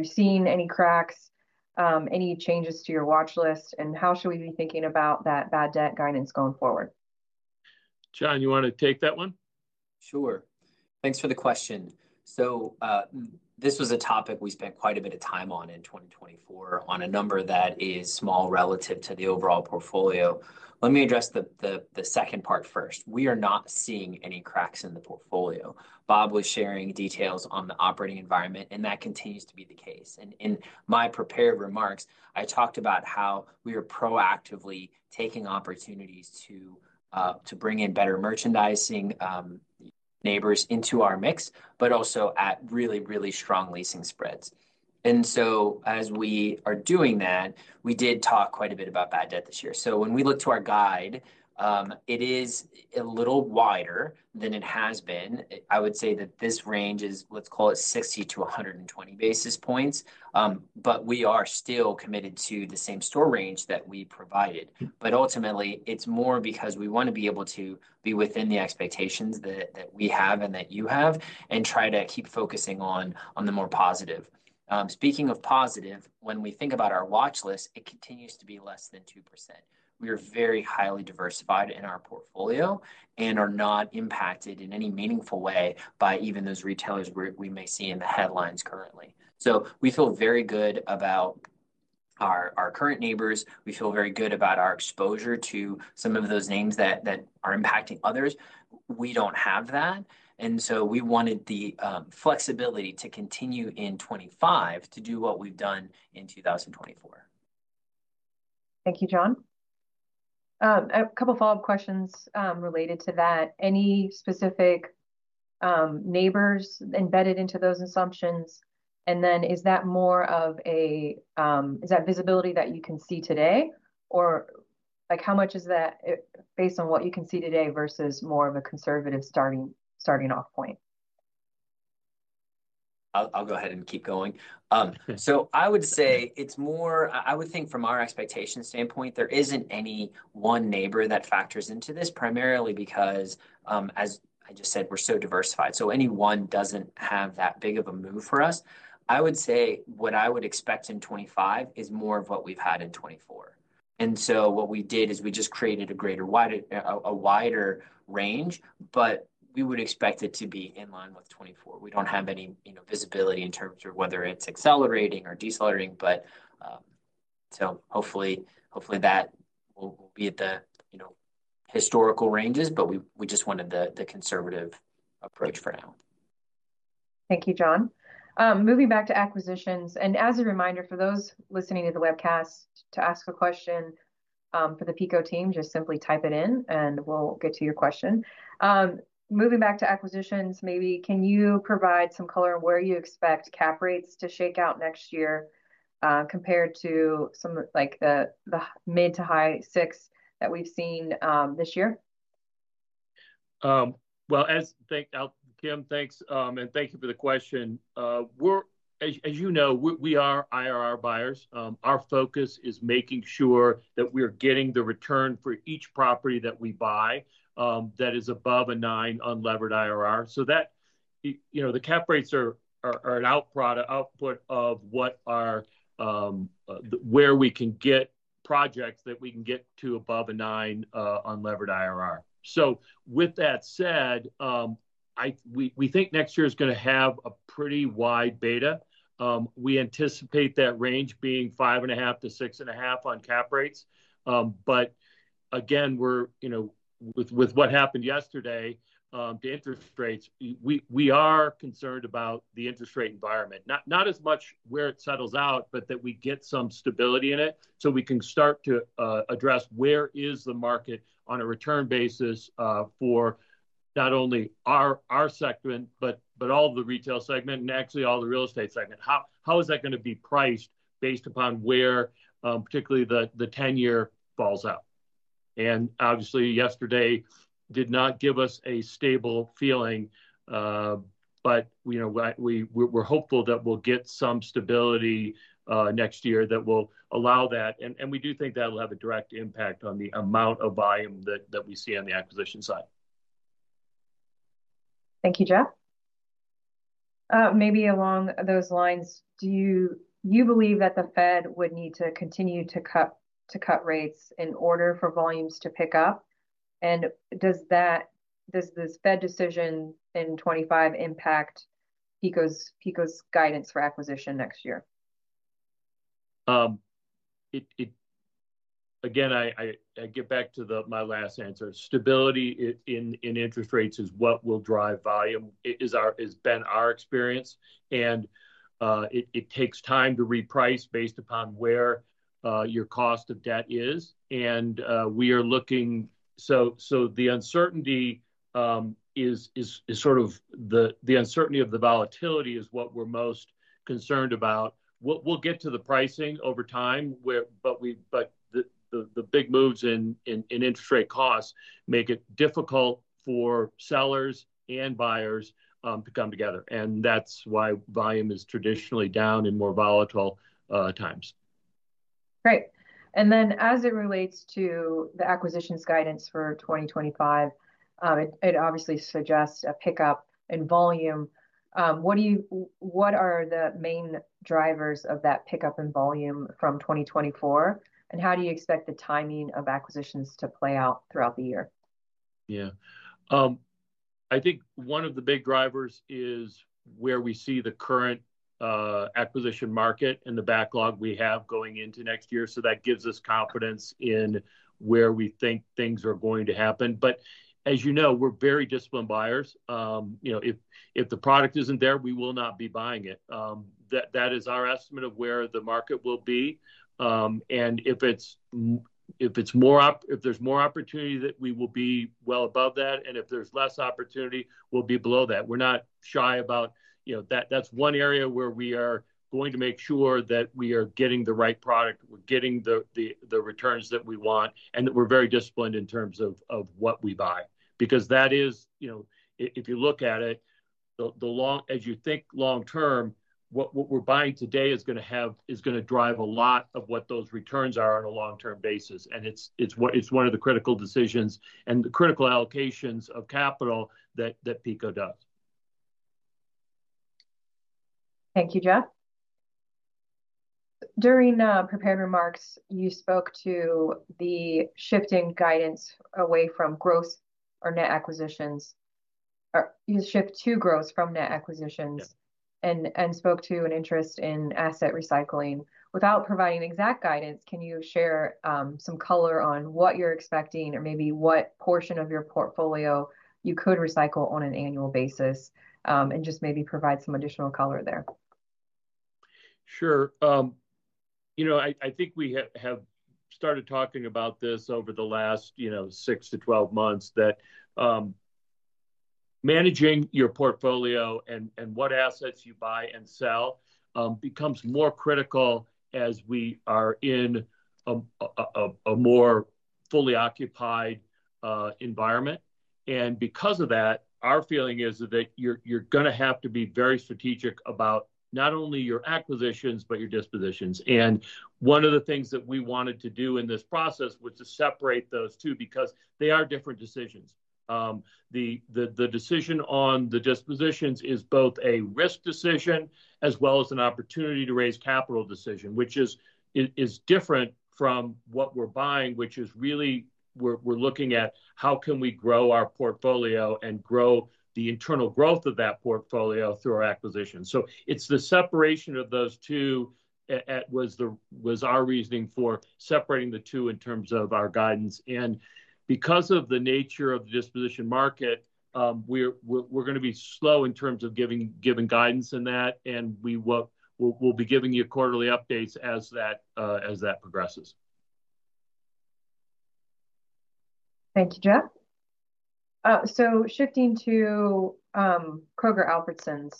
seeing any cracks, any changes to your watchlist? And how should we be thinking about that bad debt guidance going forward? John, you want to take that one? Sure. Thanks for the question. So this was a topic we spent quite a bit of time on in 2024 on a number that is small relative to the overall portfolio. Let me address the second part first. We are not seeing any cracks in the portfolio. Bob was sharing details on the operating environment, and that continues to be the case. And in my prepared remarks, I talked about how we are proactively taking opportunities to bring in better merchandising neighbors into our mix, but also at really, really strong leasing spreads. And so as we are doing that, we did talk quite a bit about bad debt this year. So when we look to our guide, it is a little wider than it has been. I would say that this range is, let's call it 60 to 120 basis points. But we are still committed to the same store range that we provided. Ultimately, it's more because we want to be able to be within the expectations that we have and that you have and try to keep focusing on the more positive. Speaking of positive, when we think about our watchlist, it continues to be less than 2%. We are very highly diversified in our portfolio and are not impacted in any meaningful way by even those retailers we may see in the headlines currently. So we feel very good about our current neighbors. We feel very good about our exposure to some of those names that are impacting others. We don't have that. And so we wanted the flexibility to continue in 2025 to do what we've done in 2024. Thank you, John. A couple of follow-up questions related to that. Any specific neighbors embedded into those assumptions? And then, is that more of a, is that visibility that you can see today? Or how much is that based on what you can see today versus more of a conservative starting off point? I'll go ahead and keep going. So I would say it's more, I would think from our expectation standpoint, there isn't any one anchor that factors into this, primarily because, as I just said, we're so diversified. So anyone doesn't have that big of a move for us. I would say what I would expect in 2025 is more of what we've had in 2024. And so what we did is we just created a wider range, but we would expect it to be in line with 2024. We don't have any visibility in terms of whether it's accelerating or decelerating. But so hopefully, that will be at the historical ranges, but we just wanted the conservative approach for now. Thank you, John. Moving back to acquisitions, and as a reminder for those listening to the webcast to ask a question for the PECO team, just simply type it in and we'll get to your question. Moving back to acquisitions, maybe can you provide some color on where you expect cap rates to shake out next year compared to some of the mid-to-high six that we've seen this year? Well, Kim, thanks, and thank you for the question. As you know, we are IRR buyers. Our focus is making sure that we're getting the return for each property that we buy that is above a nine unlevered IRR. So, the cap rates are an output of where we can get projects that we can get to above a nine unlevered IRR. So with that said, we think next year is going to have a pretty wide beta. We anticipate that range being 5.5-6.5 on cap rates. But again, with what happened yesterday, the interest rates, we are concerned about the interest rate environment. Not as much where it settles out, but that we get some stability in it so we can start to address where is the market on a return basis for not only our sector, but all the retail segment and actually all the real estate segment. How is that going to be priced based upon where particularly the 10-year falls out? Obviously, yesterday did not give us a stable feeling, but we're hopeful that we'll get some stability next year that will allow that. We do think that will have a direct impact on the amount of volume that we see on the acquisition side. Thank you, Jeff. Maybe along those lines, do you believe that the Fed would need to continue to cut rates in order for volumes to pick up? Does this Fed decision in 2025 impact PECO's guidance for acquisition next year? Again, I get back to my last answer. Stability in interest rates is what will drive volume, has been our experience. It takes time to reprice based upon where your cost of debt is. We are looking, so the uncertainty is sort of the uncertainty of the volatility is what we're most concerned about. We'll get to the pricing over time, but the big moves in interest rate costs make it difficult for sellers and buyers to come together. And that's why volume is traditionally down in more volatile times. Great. And then as it relates to the acquisitions guidance for 2025, it obviously suggests a pickup in volume. What are the main drivers of that pickup in volume from 2024? And how do you expect the timing of acquisitions to play out throughout the year? Yeah. I think one of the big drivers is where we see the current acquisition market and the backlog we have going into next year. So that gives us confidence in where we think things are going to happen. But as you know, we're very disciplined buyers. If the product isn't there, we will not be buying it. That is our estimate of where the market will be. And if there's more opportunity, we will be well above that. And if there's less opportunity, we'll be below that. We're not shy about that. That's one area where we are going to make sure that we are getting the right product, we're getting the returns that we want, and that we're very disciplined in terms of what we buy. Because that is, if you look at it, as you think long term, what we're buying today is going to drive a lot of what those returns are on a long-term basis. And it's one of the critical decisions and the critical allocations of capital that PECO does. Thank you, Jeff. During prepared remarks, you spoke to the shifting guidance away from gross or net acquisitions, or you shift to gross from net acquisitions, and spoke to an interest in asset recycling. Without providing exact guidance, can you share some color on what you're expecting or maybe what portion of your portfolio you could recycle on an annual basis and just maybe provide some additional color there? Sure. I think we have started talking about this over the last six to 12 months, that managing your portfolio and what assets you buy and sell becomes more critical as we are in a more fully occupied environment, and because of that, our feeling is that you're going to have to be very strategic about not only your acquisitions, but your dispositions, and one of the things that we wanted to do in this process was to separate those two because they are different decisions. The decision on the dispositions is both a risk decision as well as an opportunity to raise capital decision, which is different from what we're buying, which is really we're looking at how can we grow our portfolio and grow the internal growth of that portfolio through our acquisition. So it's the separation of those two that was our reasoning for separating the two in terms of our guidance. And because of the nature of the disposition market, we're going to be slow in terms of giving guidance in that. And we'll be giving you quarterly updates as that progresses. Thank you, Jeff. So shifting to Kroger-Albertsons,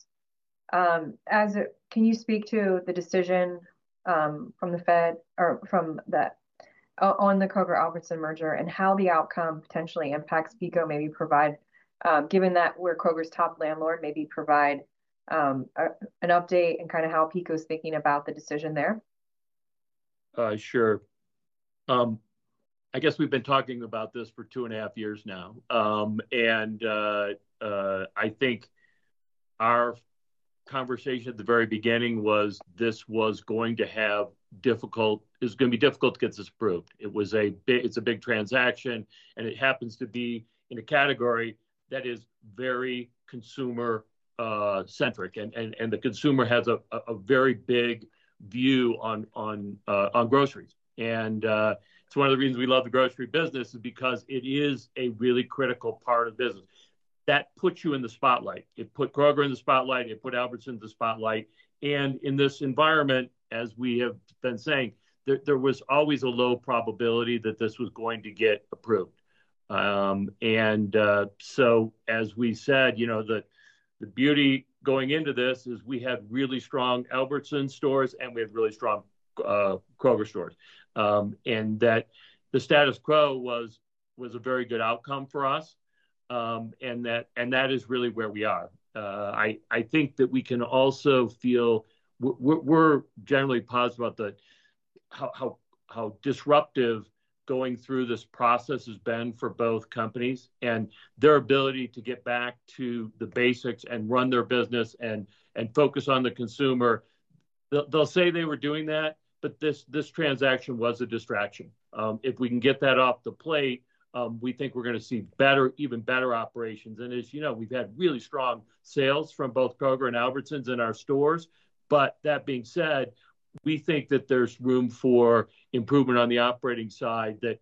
can you speak to the decision from the Fed or from the Kroger-Albertsons merger and how the outcome potentially impacts PECO? Maybe provide, given that we're Kroger's top landlord, maybe provide an update and kind of how PECO's thinking about the decision there? Sure. I guess we've been talking about this for two and a half years now, and I think our conversation at the very beginning was this was going to have difficult - it was going to be difficult to get this approved. It's a big transaction, and it happens to be in a category that is very consumer-centric. And the consumer has a very big view on groceries, and it's one of the reasons we love the grocery business is because it is a really critical part of the business. That puts you in the spotlight. It put Kroger in the spotlight. It put Albertsons in the spotlight, and in this environment, as we have been saying, there was always a low probability that this was going to get approved, and so as we said, the beauty going into this is we had really strong Albertsons stores and we had really strong Kroger stores, and that the status quo was a very good outcome for us, and that is really where we are. I think that we can also feel we're generally positive about how disruptive going through this process has been for both companies and their ability to get back to the basics and run their business and focus on the consumer. They'll say they were doing that, but this transaction was a distraction. If we can get that off the plate, we think we're going to see even better operations. And as you know, we've had really strong sales from both Kroger and Albertsons in our stores. But that being said, we think that there's room for improvement on the operating side that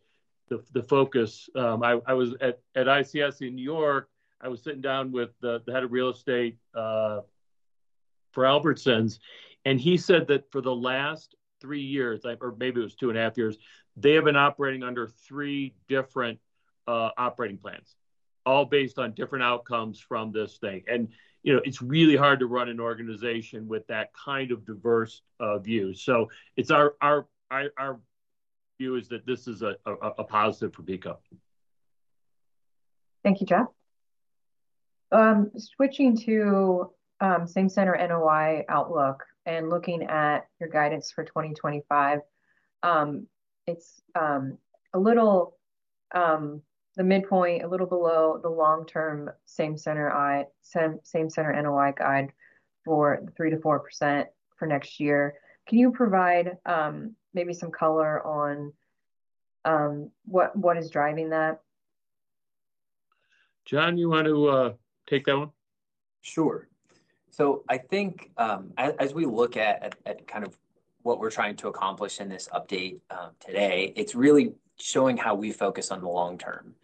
the focus. I was at ICSC in New York. I was sitting down with the head of real estate for Albertsons. And he said that for the last three years, or maybe it was two and a half years, they have been operating under three different operating plans, all based on different outcomes from this thing. And it's really hard to run an organization with that kind of diverse view. So our view is that this is a positive for PECO. Thank you, Jeff. Switching to Same-Center NOI outlook and looking at your guidance for 2025, it's a little the midpoint, a little below the long-term Same-Center NOI guide for 3%-4% for next year. Can you provide maybe some color on what is driving that? John, you want to take that one? Sure. So I think as we look at kind of what we're trying to accomplish in this update today, it's really showing how we focus on the long term,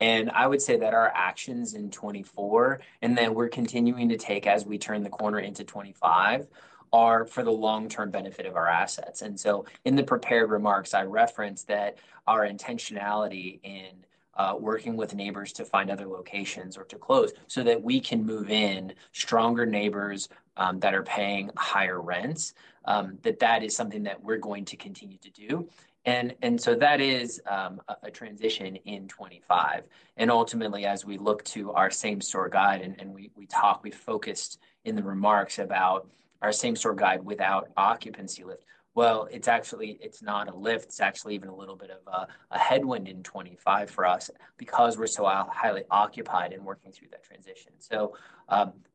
and I would say that our actions in 2024 and that we're continuing to take as we turn the corner into 2025 are for the long-term benefit of our assets. And so in the prepared remarks, I referenced that our intentionality in working with neighbors to find other locations or to close so that we can move in stronger neighbors that are paying higher rents, that that is something that we're going to continue to do. And so that is a transition in 2025. And ultimately, as we look to our same store guide and we talk, we focused in the remarks about our same store guide without occupancy lift. Well, it's actually not a lift. It's actually even a little bit of a headwind in 2025 for us because we're so highly occupied and working through that transition. So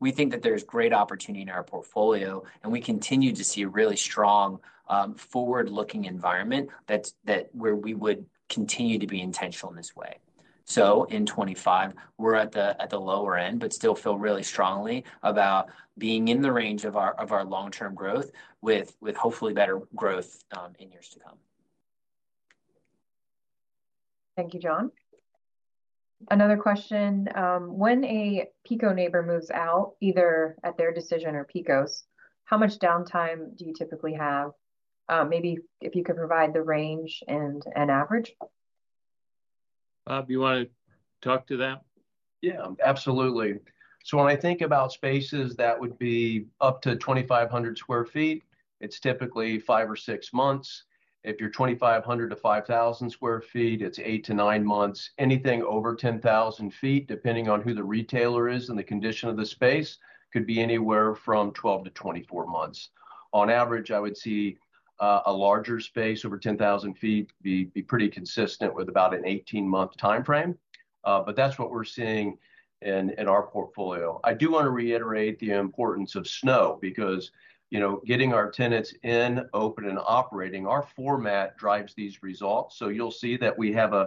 we think that there's great opportunity in our portfolio. And we continue to see a really strong forward-looking environment where we would continue to be intentional in this way. So in 2025, we're at the lower end, but still feel really strongly about being in the range of our long-term growth with hopefully better growth in years to come. Thank you, John. Another question. When a PECO neighbor moves out, either at their decision or PECO's, how much downtime do you typically have? Maybe if you could provide the range and average. Bob, you want to talk to that? Yeah, absolutely. So when I think about spaces that would be up to 2,500 sq ft, it's typically five or six months. If you're 2,500-5,000 sq ft, it's eight to nine months. Anything over 10,000 sq ft, depending on who the retailer is and the condition of the space, could be anywhere from 12-24 months. On average, I would see a larger space over 10,000 sq ft be pretty consistent with about an 18-month time frame. But that's what we're seeing in our portfolio. I do want to reiterate the importance of SNO because getting our tenants in, open, and operating, our format drives these results. So you'll see that we have a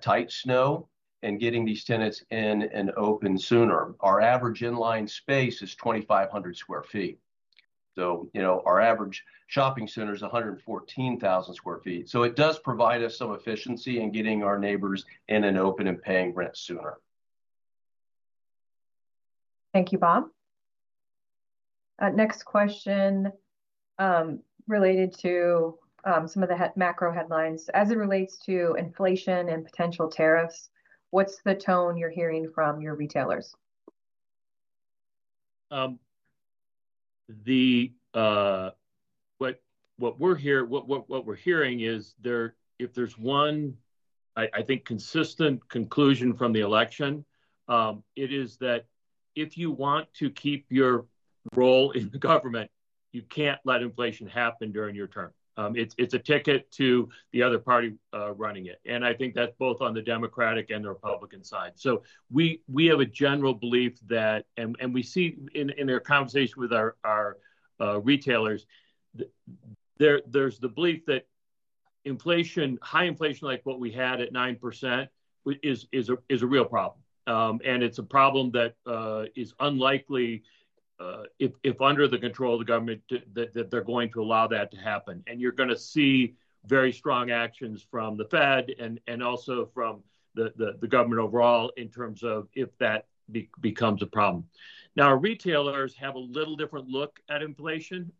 tight SNO and getting these tenants in and open sooner. Our average inline space is 2,500 sq ft. So our average shopping center is 114,000 sq ft. So it does provide us some efficiency in getting our neighbors in and open and paying rent sooner. Thank you, Bob. Next question related to some of the macro headlines. As it relates to inflation and potential tariffs, what's the tone you're hearing from your retailers? What we're hearing is if there's one, I think, consistent conclusion from the election, it is that if you want to keep your role in government, you can't let inflation happen during your term. It's a ticket to the other party running it. And I think that's both on the Democratic and the Republican side. So we have a general belief that, and we see in our conversation with our retailers, there's the belief that high inflation like what we had at 9% is a real problem. And it's a problem that is unlikely, if under the control of the government, that they're going to allow that to happen. And you're going to see very strong actions from the Fed and also from the government overall in terms of if that becomes a problem. Now, retailers have a little different look at inflation.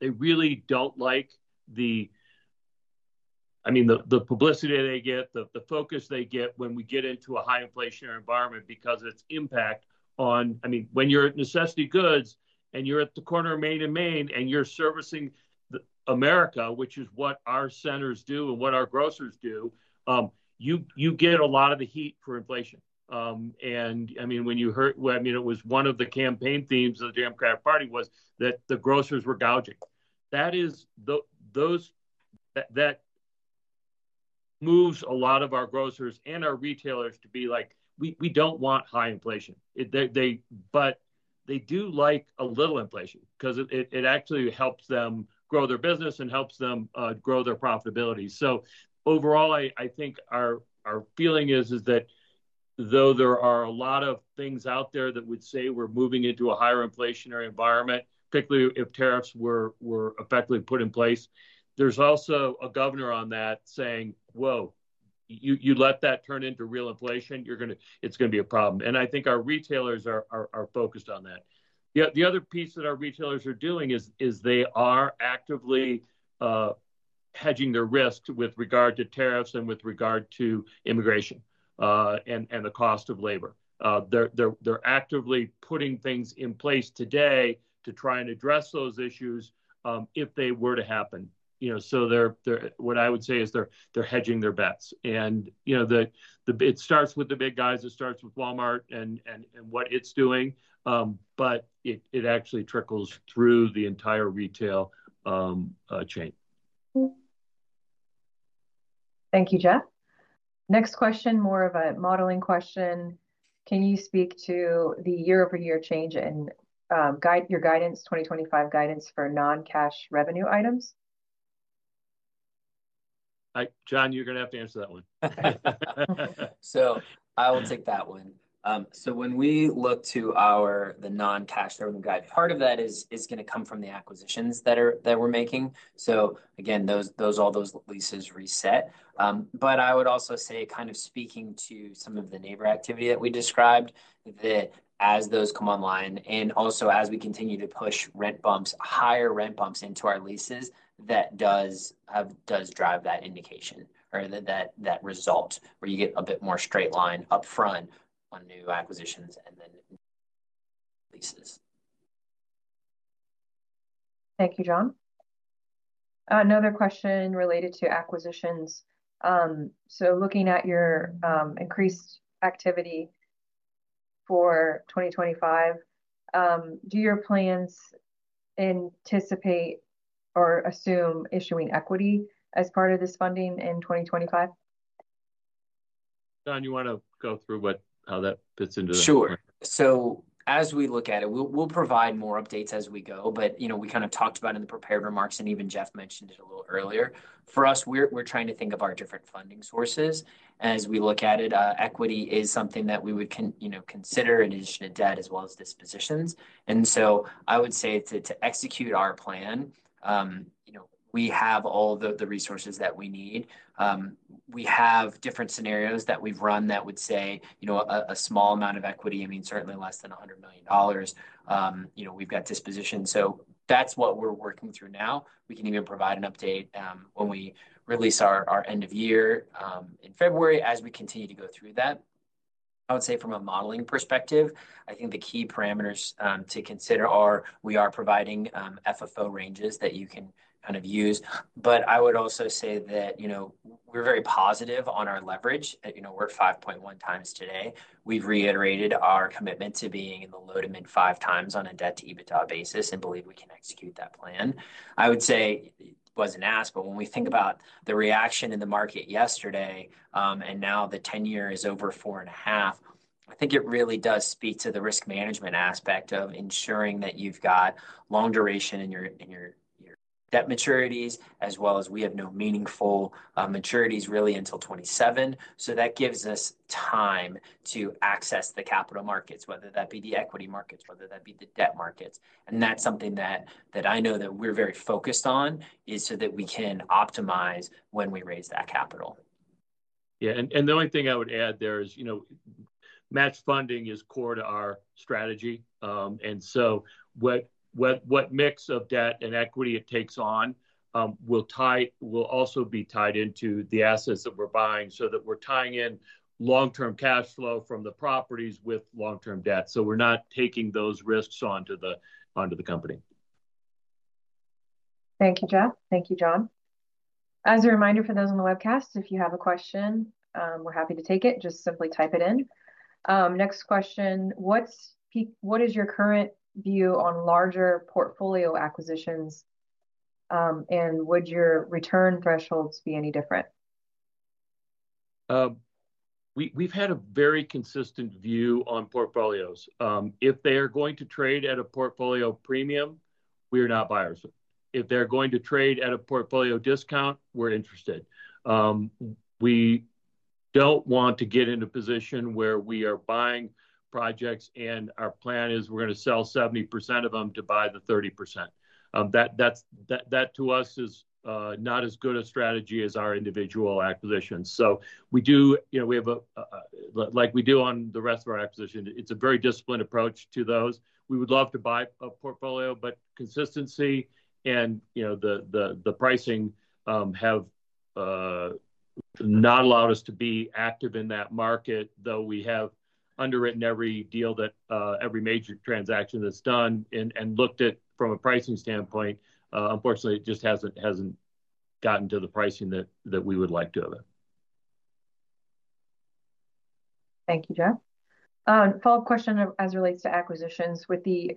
They really don't like the, I mean, the publicity they get, the focus they get when we get into a high inflationary environment because of its impact on, I mean, when you're at necessity goods and you're at the corner of Main and Main and you're servicing America, which is what our centers do and what our grocers do, you get a lot of the heat for inflation. And I mean, when you heard, I mean, it was one of the campaign themes of the Democratic Party was that the grocers were gouging. That moves a lot of our grocers and our retailers to be like, "We don't want high inflation." But they do like a little inflation because it actually helps them grow their business and helps them grow their profitability. So overall, I think our feeling is that though there are a lot of things out there that would say we're moving into a higher inflationary environment, particularly if tariffs were effectively put in place, there's also a governor on that saying, "Whoa, you let that turn into real inflation. It's going to be a problem." And I think our retailers are focused on that. The other piece that our retailers are doing is they are actively hedging their risk with regard to tariffs and with regard to immigration and the cost of labor. They're actively putting things in place today to try and address those issues if they were to happen. So what I would say is they're hedging their bets. And it starts with the big guys. It starts with Walmart and what it's doing. But it actually trickles through the entire retail chain. Thank you, Jeff. Next question, more of a modeling question. Can you speak to the year-over-year change in your guidance, 2025 guidance for non-cash revenue items? John, you're going to have to answer that one. So I will take that one. So when we look to the non-cash revenue guidance, part of that is going to come from the acquisitions that we're making. So again, all those leases reset. But I would also say kind of speaking to some of the neighborhood activity that we described, that as those come online and also as we continue to push higher rent bumps into our leases, that does drive that indication or that result where you get a bit more straight-line upfront on new acquisitions and then leases. Thank you, John. Another question related to acquisitions. So looking at your increased activity for 2025, do your plans anticipate or assume issuing equity as part of this funding in 2025? John, you want to go through how that fits into the question? Sure. So as we look at it, we'll provide more updates as we go. But we kind of talked about it in the prepared remarks, and even Jeff mentioned it a little earlier. For us, we're trying to think of our different funding sources. As we look at it, equity is something that we would consider in addition to debt as well as dispositions. And so I would say to execute our plan, we have all the resources that we need. We have different scenarios that we've run that would say a small amount of equity, I mean, certainly less than $100 million. We've got dispositions. So that's what we're working through now. We can even provide an update when we release our end of year in February as we continue to go through that. I would say from a modeling perspective, I think the key parameters to consider are, we are providing FFO ranges that you can kind of use. But I would also say that we're very positive on our leverage. We're at 5.1 times today. We've reiterated our commitment to being in the low to mid five times on a debt-to-EBITDA basis and believe we can execute that plan. I would say it wasn't asked, but when we think about the reaction in the market yesterday and now the 10-year is over four and a half, I think it really does speak to the risk management aspect of ensuring that you've got long duration in your debt maturities, as well as we have no meaningful maturities really until 2027. So that gives us time to access the capital markets, whether that be the equity markets, whether that be the debt markets. And that's something that I know that we're very focused on is so that we can optimize when we raise that capital. Yeah. And the only thing I would add there is match funding is core to our strategy. And so what mix of debt and equity it takes on will also be tied into the assets that we're buying so that we're tying in long-term cash flow from the properties with long-term debt. So we're not taking those risks onto the company. Thank you, Jeff. Thank you, John. As a reminder for those on the webcast, if you have a question, we're happy to take it. Just simply type it in. Next question. What is your current view on larger portfolio acquisitions? Would your return thresholds be any different? We've had a very consistent view on portfolios. If they are going to trade at a portfolio premium, we are not buyers. If they're going to trade at a portfolio discount, we're interested. We don't want to get into a position where we are buying projects and our plan is we're going to sell 70% of them to buy the 30%. That to us is not as good a strategy as our individual acquisitions. So we do, we have a, like we do on the rest of our acquisition, it's a very disciplined approach to those. We would love to buy a portfolio, but consistency and the pricing have not allowed us to be active in that market, though we have underwritten every deal that every major transaction that's done and looked at from a pricing standpoint. Unfortunately, it just hasn't gotten to the pricing that we would like to have it. Thank you, Jeff. Follow-up question as it relates to acquisitions with the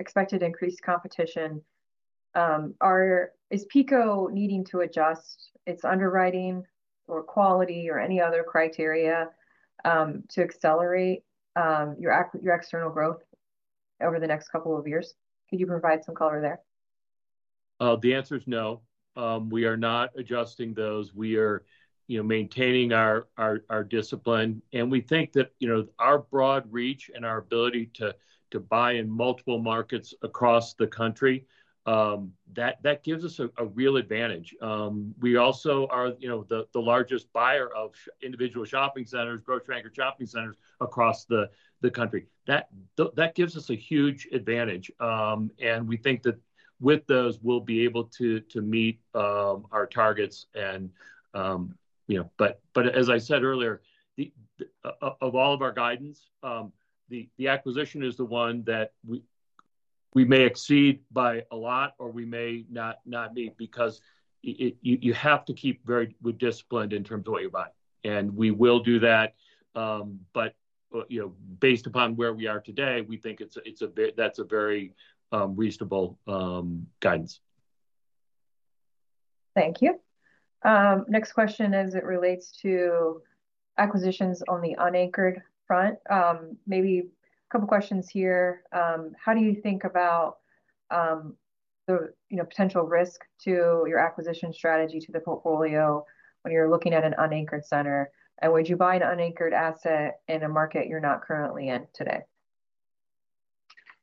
expected increased competition. Is PECO needing to adjust its underwriting or quality or any other criteria to accelerate your external growth over the next couple of years? Could you provide some color there? The answer is no. We are not adjusting those. We are maintaining our discipline. And we think that our broad reach and our ability to buy in multiple markets across the country, that gives us a real advantage. We also are the largest buyer of individual shopping centers, grocery-anchored shopping centers across the country. That gives us a huge advantage. And we think that with those, we'll be able to meet our targets. But as I said earlier, of all of our guidance, the acquisition is the one that we may exceed by a lot or we may not meet because you have to keep very disciplined in terms of what you buy. And we will do that. But based upon where we are today, we think that's a very reasonable guidance. Thank you. Next question as it relates to acquisitions on the unanchored front. Maybe a couple of questions here. How do you think about the potential risk to your acquisition strategy to the portfolio when you're looking at an unanchored center? And would you buy an unanchored asset in a market you're not currently in today?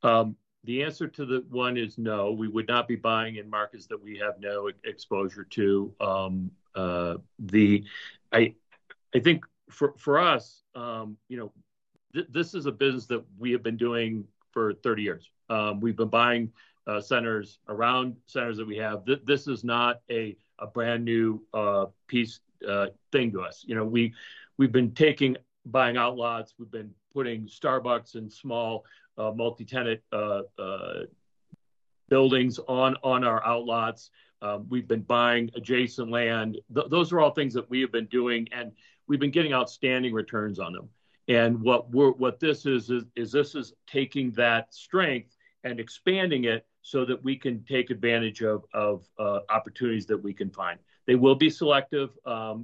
The answer to the one is no. We would not be buying in markets that we have no exposure to. I think for us, this is a business that we have been doing for 30 years. We've been buying centers around centers that we have. This is not a brand new piece thing to us. We've been buying outlots. We've been putting Starbucks and small multi-tenant buildings on our outlots. We've been buying adjacent land. Those are all things that we have been doing, and we've been getting outstanding returns on them, and what this is is this is taking that strength and expanding it so that we can take advantage of opportunities that we can find. They will be selective, but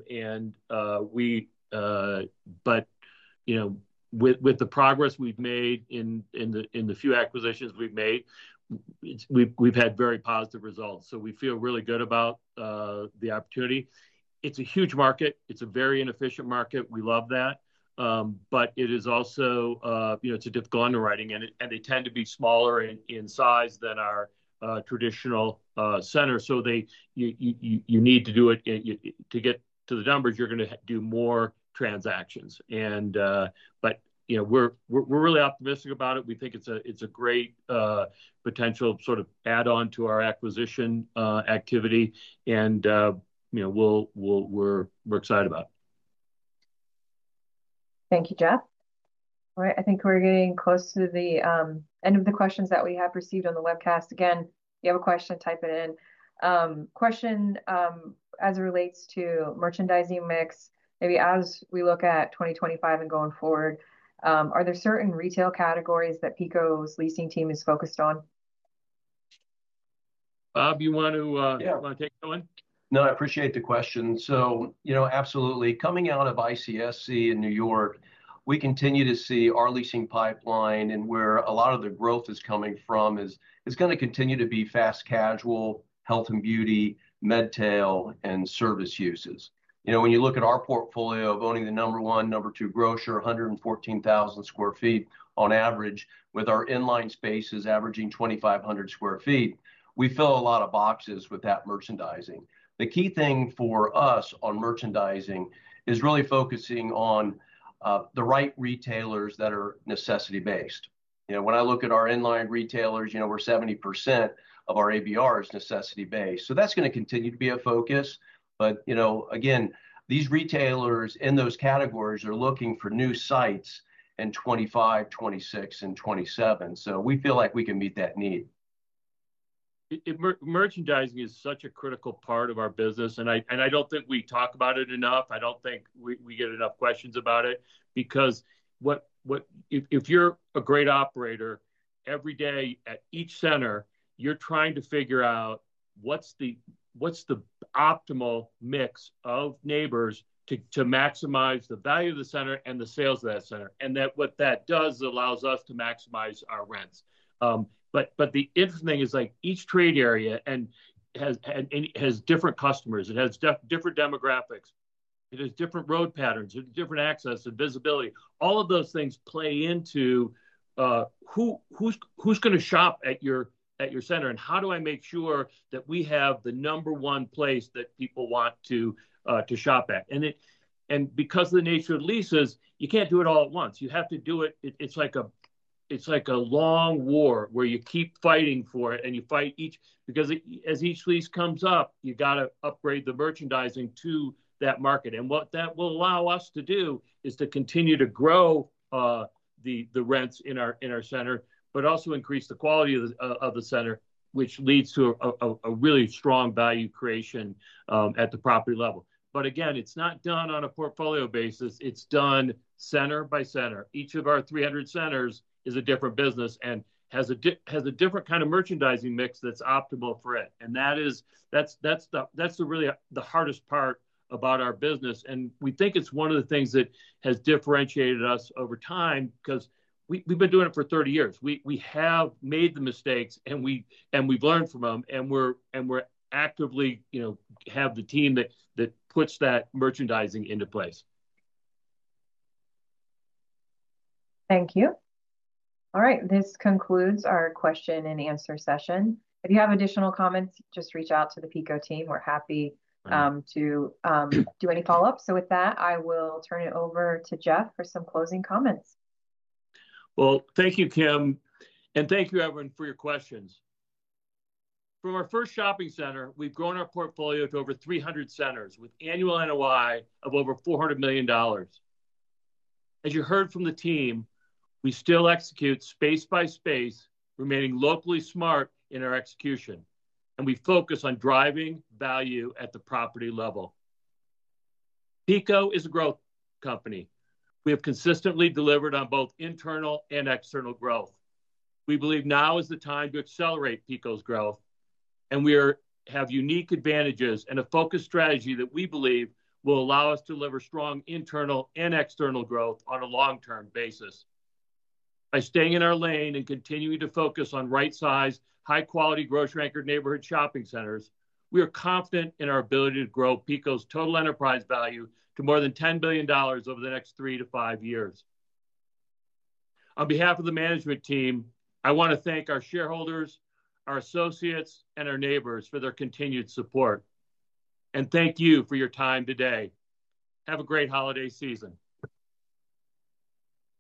with the progress we've made in the few acquisitions we've made, we've had very positive results, so we feel really good about the opportunity. It's a huge market. It's a very inefficient market. We love that, but it is also, it's a difficult underwriting. And they tend to be smaller in size than our traditional center. So you need to do it. To get to the numbers, you're going to do more transactions. But we're really optimistic about it. We think it's a great potential sort of add-on to our acquisition activity. And we're excited about it. Thank you, Jeff. All right. I think we're getting close to the end of the questions that we have received on the webcast. Again, if you have a question, type it in. Question as it relates to merchandising mix, maybe as we look at 2025 and going forward, are there certain retail categories that PECO's leasing team is focused on? Bob, you want to take that one? No, I appreciate the question. So absolutely. Coming out of ICSC in New York, we continue to see our leasing pipeline and where a lot of the growth is coming from is going to continue to be fast casual, health and beauty, MedTail, and service uses. When you look at our portfolio of owning the number one, number two grocer, 114,000 sq ft on average, with our inline spaces averaging 2,500 sq ft, we fill a lot of boxes with that merchandising. The key thing for us on merchandising is really focusing on the right retailers that are necessity-based. When I look at our inline retailers, we're 70% of our ABR is necessity-based. So that's going to continue to be a focus. But again, these retailers in those categories are looking for new sites in 2025, 2026, and 2027. So we feel like we can meet that need. Merchandising is such a critical part of our business. I don't think we talk about it enough. I don't think we get enough questions about it because if you're a great operator, every day at each center, you're trying to figure out what's the optimal mix of neighbors to maximize the value of the center and the sales of that center. What that does allows us to maximize our rents. The interesting thing is each trade area has different customers. It has different demographics. It has different road patterns. It has different access and visibility. All of those things play into who's going to shop at your center and how do I make sure that we have the number one place that people want to shop at. Because of the nature of leases, you can't do it all at once. You have to do it. It's like a long war where you keep fighting for it and you fight each because as each lease comes up, you got to upgrade the merchandising to that market. And what that will allow us to do is to continue to grow the rents in our center, but also increase the quality of the center, which leads to a really strong value creation at the property level. But again, it's not done on a portfolio basis. It's done center by center. Each of our 300 centers is a different business and has a different kind of merchandising mix that's optimal for it. And that's really the hardest part about our business. And we think it's one of the things that has differentiated us over time because we've been doing it for 30 years. We have made the mistakes and we've learned from them. We actively have the team that puts that merchandising into place. Thank you. All right. This concludes our question and answer session. If you have additional comments, just reach out to the PECO team. We're happy to do any follow-ups. With that, I will turn it over to Jeff for some closing comments. Thank you, Kim. Thank you, everyone, for your questions. From our first shopping center, we've grown our portfolio to over 300 centers with annual NOI of over $400 million. As you heard from the team, we still execute space by space, remaining locally smart in our execution. We focus on driving value at the property level. PECO is a growth company. We have consistently delivered on both internal and external growth. We believe now is the time to accelerate PECO's growth. And we have unique advantages and a focused strategy that we believe will allow us to deliver strong internal and external growth on a long-term basis. By staying in our lane and continuing to focus on right-sized, high-quality grocery-anchored neighborhood shopping centers, we are confident in our ability to grow PECO's total enterprise value to more than $10 billion over the next three to five years. On behalf of the management team, I want to thank our shareholders, our associates, and our neighbors for their continued support. And thank you for your time today. Have a great holiday season.